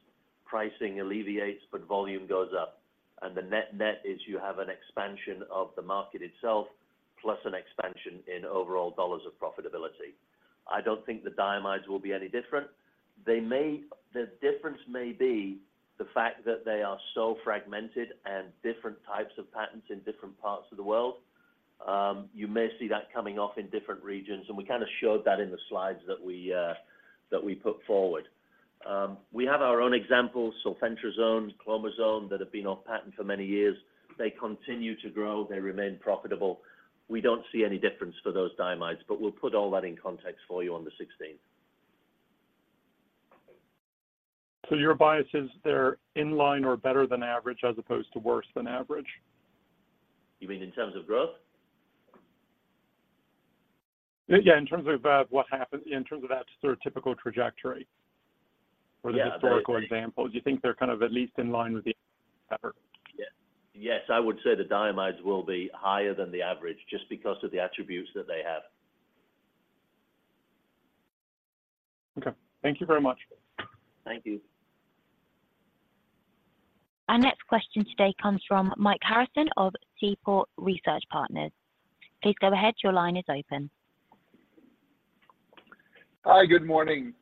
pricing alleviates, but volume goes up, and the net-net is you have an expansion of the market itself, plus an expansion in overall dollars of profitability. I don't think the diamides will be any different. They may. The difference may be the fact that they are so fragmented and different types of patents in different parts of the world. You may see that coming off in different regions, and we kind of showed that in the slides that we put forward. We have our own examples, sulfentrazone, clomazone, that have been off patent for many years. They continue to grow, they remain profitable. We don't see any difference for those diamides, but we'll put all that in context for you on the 16th. So your bias is they're in line or better than average, as opposed to worse than average? You mean in terms of growth? Yeah, in terms of what happens, in terms of that sort of typical trajectory- Yeah, the- or the historical example. Do you think they're kind of at least in line with the average? Yes, I would say the diamides will be higher than the average just because of the attributes that they have. Okay, thank you very much. Thank you. Our next question today comes from Mike Harrison of Seaport Research Partners. Please go ahead, your line is open. Hi, good morning.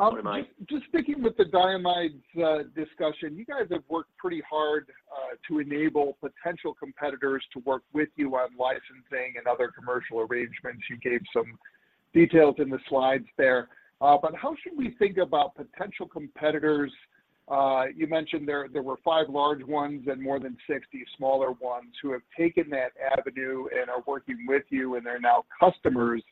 Good morning. Just, just sticking with the diamides discussion, you guys have worked pretty hard to enable potential competitors to work with you on licensing and other commercial arrangements. You gave some details in the slides there. But how should we think about potential competitors? You mentioned there, there were 5 large ones and more than 60 smaller ones who have taken that avenue and are working with you, and they're now customers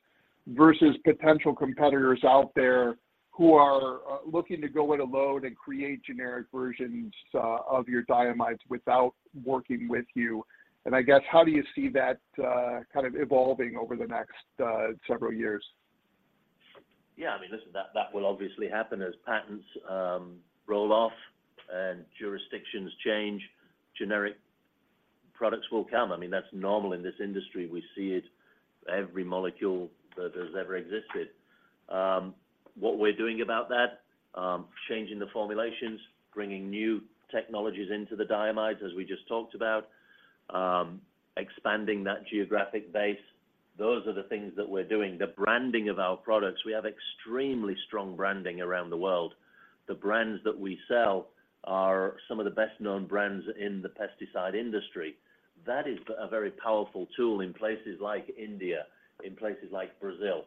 versus potential competitors out there who are looking to go it alone and create generic versions of your diamides without working with you. And I guess, how do you see that kind of evolving over the next several years? Yeah, I mean, listen, that, that will obviously happen as patents roll off and jurisdictions change. Generic products will come. I mean, that's normal in this industry. We see it every molecule that has ever existed. What we're doing about that, changing the formulations, bringing new technologies into the diamides, as we just talked about, expanding that geographic base. Those are the things that we're doing. The branding of our products, we have extremely strong branding around the world. The brands that we sell are some of the best-known brands in the pesticide industry. That is a very powerful tool in places like India, in places like Brazil.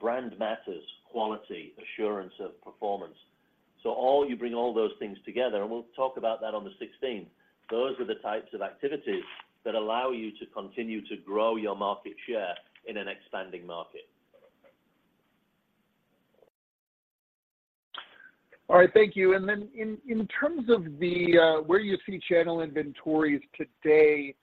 Brand matters, quality, assurance of performance. So all-- You bring all those things together, and we'll talk about that on the 16th. Those are the types of activities that allow you to continue to grow your market share in an expanding market. All right, thank you. And then in terms of where you see channel inventories today,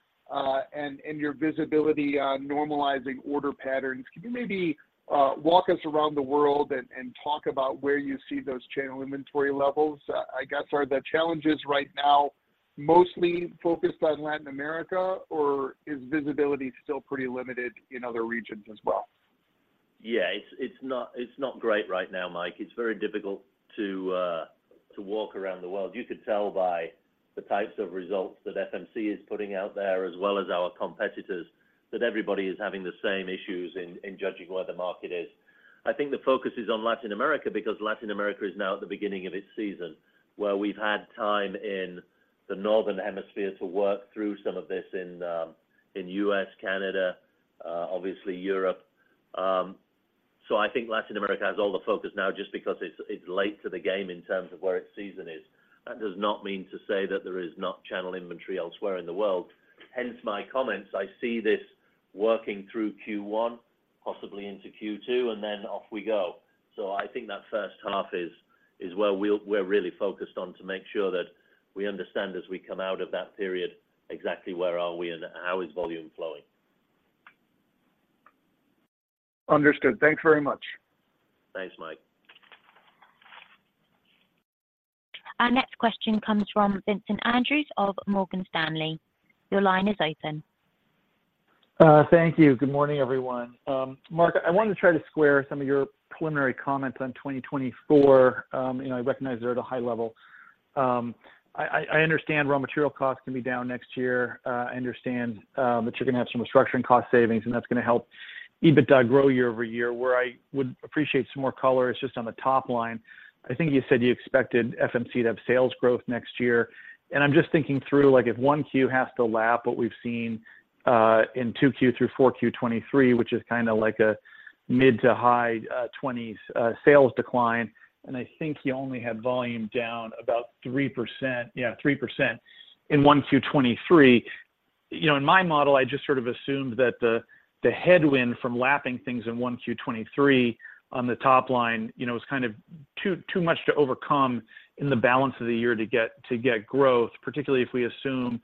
and your visibility on normalizing order patterns, can you maybe walk us around the world and talk about where you see those channel inventory levels? I guess, are the challenges right now mostly focused on Latin America, or is visibility still pretty limited in other regions as well? Yeah, it's, it's not, it's not great right now, Mike. It's very difficult to, to walk around the world. You could tell by the types of results that FMC is putting out there, as well as our competitors, that everybody is having the same issues in judging where the market is. I think the focus is on Latin America, because Latin America is now at the beginning of its season, where we've had time in the northern hemisphere to work through some of this in U.S., Canada, obviously Europe. So I think Latin America has all the focus now just because it's, it's late to the game in terms of where its season is. That does not mean to say that there is not channel inventory elsewhere in the world. Hence my comments, I see this working through Q1, possibly into Q2, and then off we go. So I think that first half is where we'll, we're really focused on to make sure that we understand as we come out of that period, exactly where are we and how is volume flowing. Understood. Thank you very much. Thanks, Mike. Our next question comes from Vincent Andrews of Morgan Stanley. Your line is open. ... Thank you. Good morning, everyone. Mark, I wanted to try to square some of your preliminary comments on 2024. You know, I recognize they're at a high level. I understand raw material costs can be down next year. I understand that you're going to have some restructuring cost savings, and that's going to help EBITDA grow year over year. Where I would appreciate some more color is just on the top line. I think you said you expected FMC to have sales growth next year, and I'm just thinking through, like, if 1Q has to lap what we've seen in 2Q through 4Q 2023, which is kind of like a mid- to high-20s sales decline, and I think you only had volume down about 3%, 3% in 1Q 2023. You know, in my model, I just sort of assumed that the headwind from lapping things in 1Q 2023 on the top line, you know, is kind of too much to overcome in the balance of the year to get growth, particularly if we assume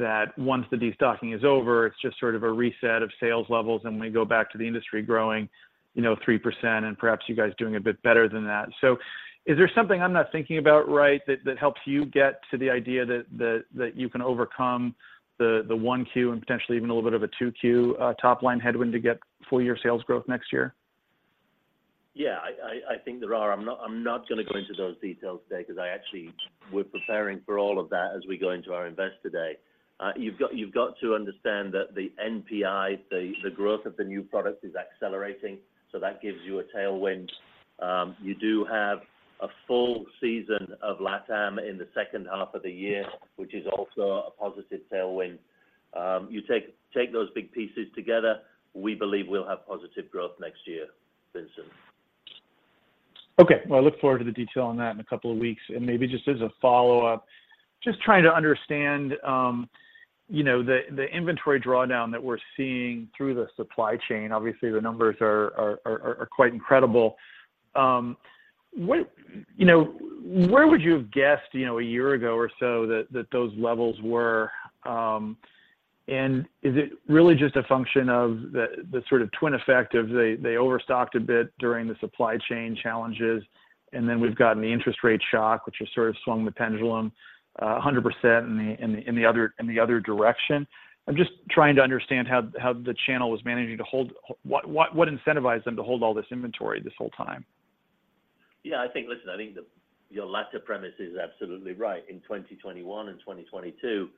that once the destocking is over, it's just sort of a reset of sales levels, and we go back to the industry growing 3%, and perhaps you guys doing a bit better than that. So is there something I'm not thinking about right that helps you get to the idea that you can overcome the 1Q and potentially even a little bit of a 2Q top line headwind to get full year sales growth next year? Yeah, I think there are. I'm not going to go into those details today because I actually, we're preparing for all of that as we go into our investor today. You've got to understand that the NPI, the growth of the new product is accelerating, so that gives you a tailwind. You do have a full season of LATAM in the second half of the year, which is also a positive tailwind. You take those big pieces together, we believe we'll have positive growth next year, Vincent. Okay. Well, I look forward to the detail on that in a couple of weeks. And maybe just as a follow-up, just trying to understand, you know, the inventory drawdown that we're seeing through the supply chain. Obviously, the numbers are quite incredible. You know, where would you have guessed, you know, a year ago or so that those levels were. And is it really just a function of the sort of twin effect of they overstocked a bit during the supply chain challenges, and then we've gotten the interest rate shock, which has sort of swung the pendulum 100% in the other direction? I'm just trying to understand how the channel was managing to hold - what incentivized them to hold all this inventory this whole time? Yeah, I think... Listen, I think the, your latter premise is absolutely right. In 2021 and 2022,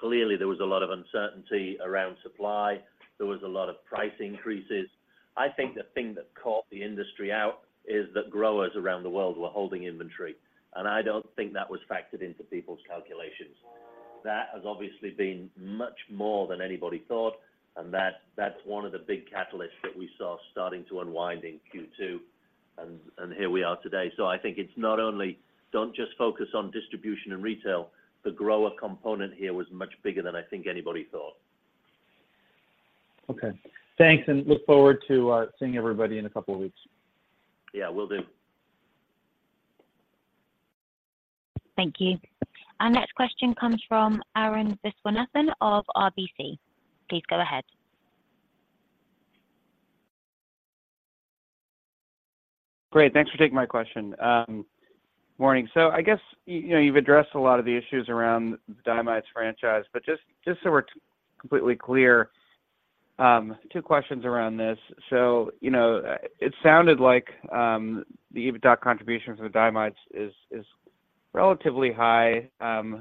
clearly there was a lot of uncertainty around supply. There was a lot of price increases. I think the thing that caught the industry out is that growers around the world were holding inventory, and I don't think that was factored into people's calculations. That has obviously been much more than anybody thought, and that, that's one of the big catalysts that we saw starting to unwind in Q2, and, and here we are today. So I think it's not only, don't just focus on distribution and retail, the grower component here was much bigger than I think anybody thought. Okay. Thanks, and look forward to seeing everybody in a couple of weeks. Yeah, will do. Thank you. Our next question comes from Arun Viswanathan of RBC. Please go ahead. Great. Thanks for taking my question. Morning. So I guess, you know, you've addressed a lot of the issues around the diamides franchise, but just, just so we're completely clear, two questions around this. So, you know, it sounded like, the EBITDA contribution for the diamides is relatively high,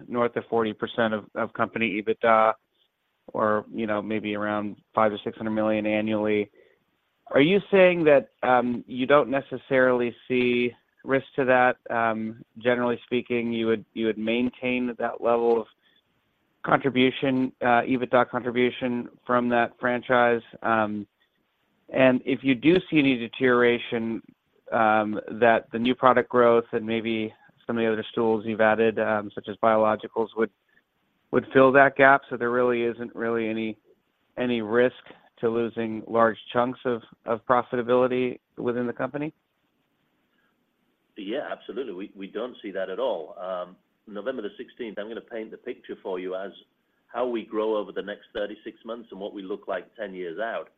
north of 40% of company EBITDA, or, you know, maybe around $500-$600 million annually. Are you saying that, you don't necessarily see risk to that? Generally speaking, you would maintain that level of contribution, EBITDA contribution from that franchise? If you do see any deterioration, that the new product growth and maybe some of the other tools you've added, such as biologicals, would fill that gap, so there really isn't any risk to losing large chunks of profitability within the company? Yeah, absolutely. We don't see that at all. November the 16th, I'm going to paint the picture for you as how we grow over the next 36 months and what we look like 10 years out.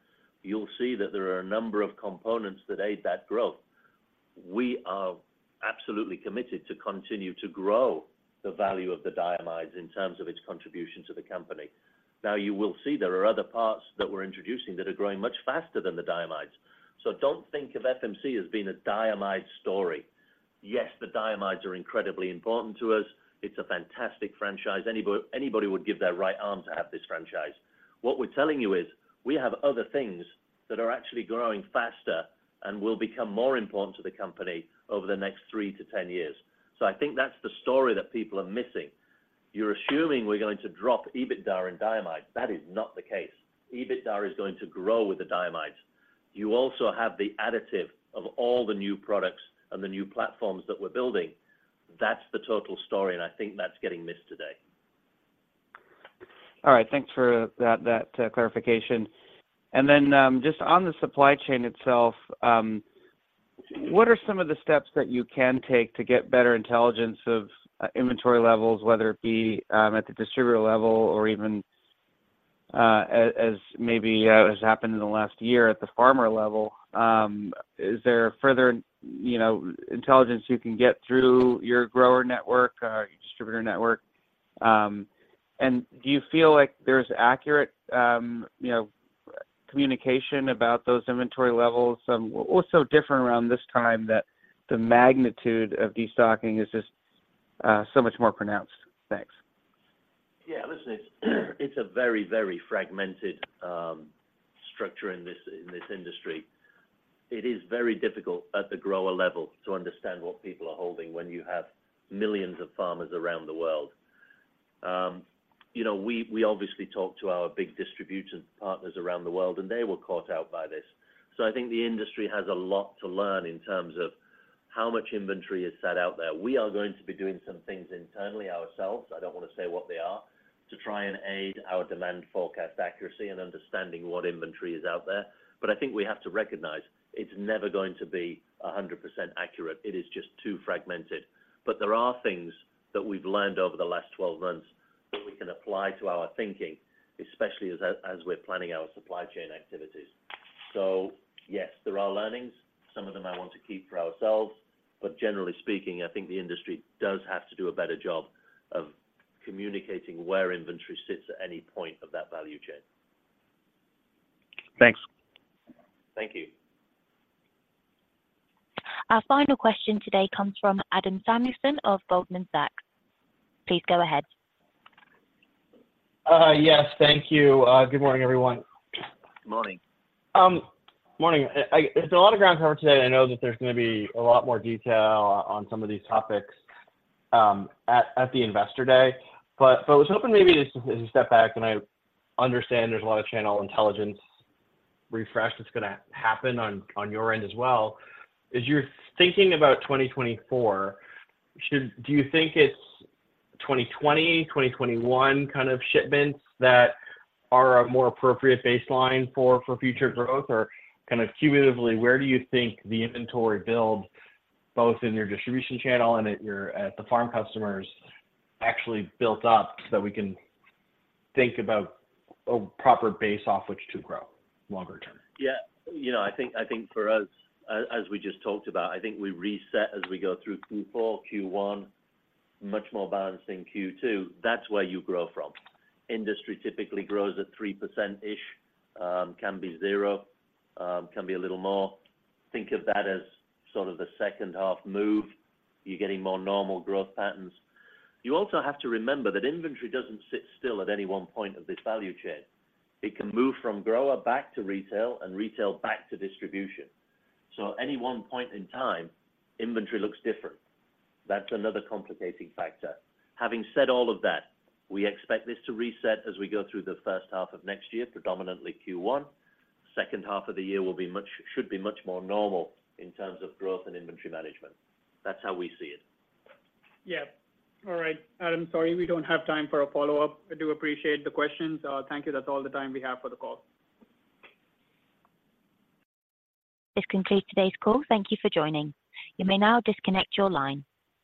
You'll see that there are a number of components that aid that growth. We are absolutely committed to continue to grow the value of the diamides in terms of its contribution to the company. Now, you will see there are other parts that we're introducing that are growing much faster than the diamides. So don't think of FMC as being a diamide story. Yes, the diamides are incredibly important to us. It's a fantastic franchise. Anybody would give their right arm to have this franchise. What we're telling you is, we have other things that are actually growing faster and will become more important to the company over the next thre. to 10 years. I think that's the story that people are missing. You're assuming we're going to drop EBITDA and diamide. That is not the case. EBITDA is going to grow with the diamides. You also have the additive of all the new products and the new platforms that we're building. That's the total story, and I think that's getting missed today. All right. Thanks for that clarification. And then, just on the supply chain itself, what are some of the steps that you can take to get better intelligence of inventory levels, whether it be at the distributor level or even as happened in the last year at the farmer level? Is there further, you know, intelligence you can get through your grower network or your distributor network? And do you feel like there's accurate, you know, communication about those inventory levels, what's so different around this time that the magnitude of destocking is just so much more pronounced? Thanks. Yeah, listen, it's a very, very fragmented structure in this industry. It is very difficult at the grower level to understand what people are holding when you have millions of farmers around the world. You know, we obviously talk to our big distribution partners around the world, and they were caught out by this. So I think the industry has a lot to learn in terms of how much inventory is set out there. We are going to be doing some things internally ourselves, I don't want to say what they are, to try and aid our demand forecast accuracy and understanding what inventory is out there. But I think we have to recognize it's never going to be a hundred percent accurate. It is just too fragmented. But there are things that we've learned over the last 12 months that we can apply to our thinking, especially as we're planning our supply chain activities. So yes, there are learnings. Some of them I want to keep for ourselves, but generally speaking, I think the industry does have to do a better job of communicating where inventory sits at any point of that value chain. Thanks. Thank you. Our final question today comes from Adam Samuelson of Goldman Sachs. Please go ahead. Yes, thank you. Good morning, everyone. Good morning. Morning. There's a lot of ground covered today. I know that there's going to be a lot more detail on some of these topics at the Investor Day. But so I was hoping maybe just to just to step back, and I understand there's a lot of channel intelligence refresh that's gonna happen on your end as well. As you're thinking about 2024, should... Do you think it's 2020, 2021 kind of shipments that are a more appropriate baseline for future growth? Or kind of cumulatively, where do you think the inventory build, both in your distribution channel and at the farm customers, actually built up, so that we can think about a proper base off which to grow longer term? Yeah. You know, I think, I think for us, as, as we just talked about, I think we reset as we go through Q4, Q1, much more balanced in Q2. That's where you grow from. Industry typically grows at 3%-ish, can be zero, can be a little more. Think of that as sort of the second half move. You're getting more normal growth patterns. You also have to remember that inventory doesn't sit still at any one point of this value chain. It can move from grower back to retail, and retail back to distribution. So at any one point in time, inventory looks different. That's another complicating factor. Having said all of that, we expect this to reset as we go through the first half of next year, predominantly Q1. Second half of the year will be much more normal in terms of growth and inventory management. That's how we see it. Yeah. All right, Adam, sorry, we don't have time for a follow-up. I do appreciate the questions. Thank you. That's all the time we have for the call. This concludes today's call. Thank you for joining. You may now disconnect your line.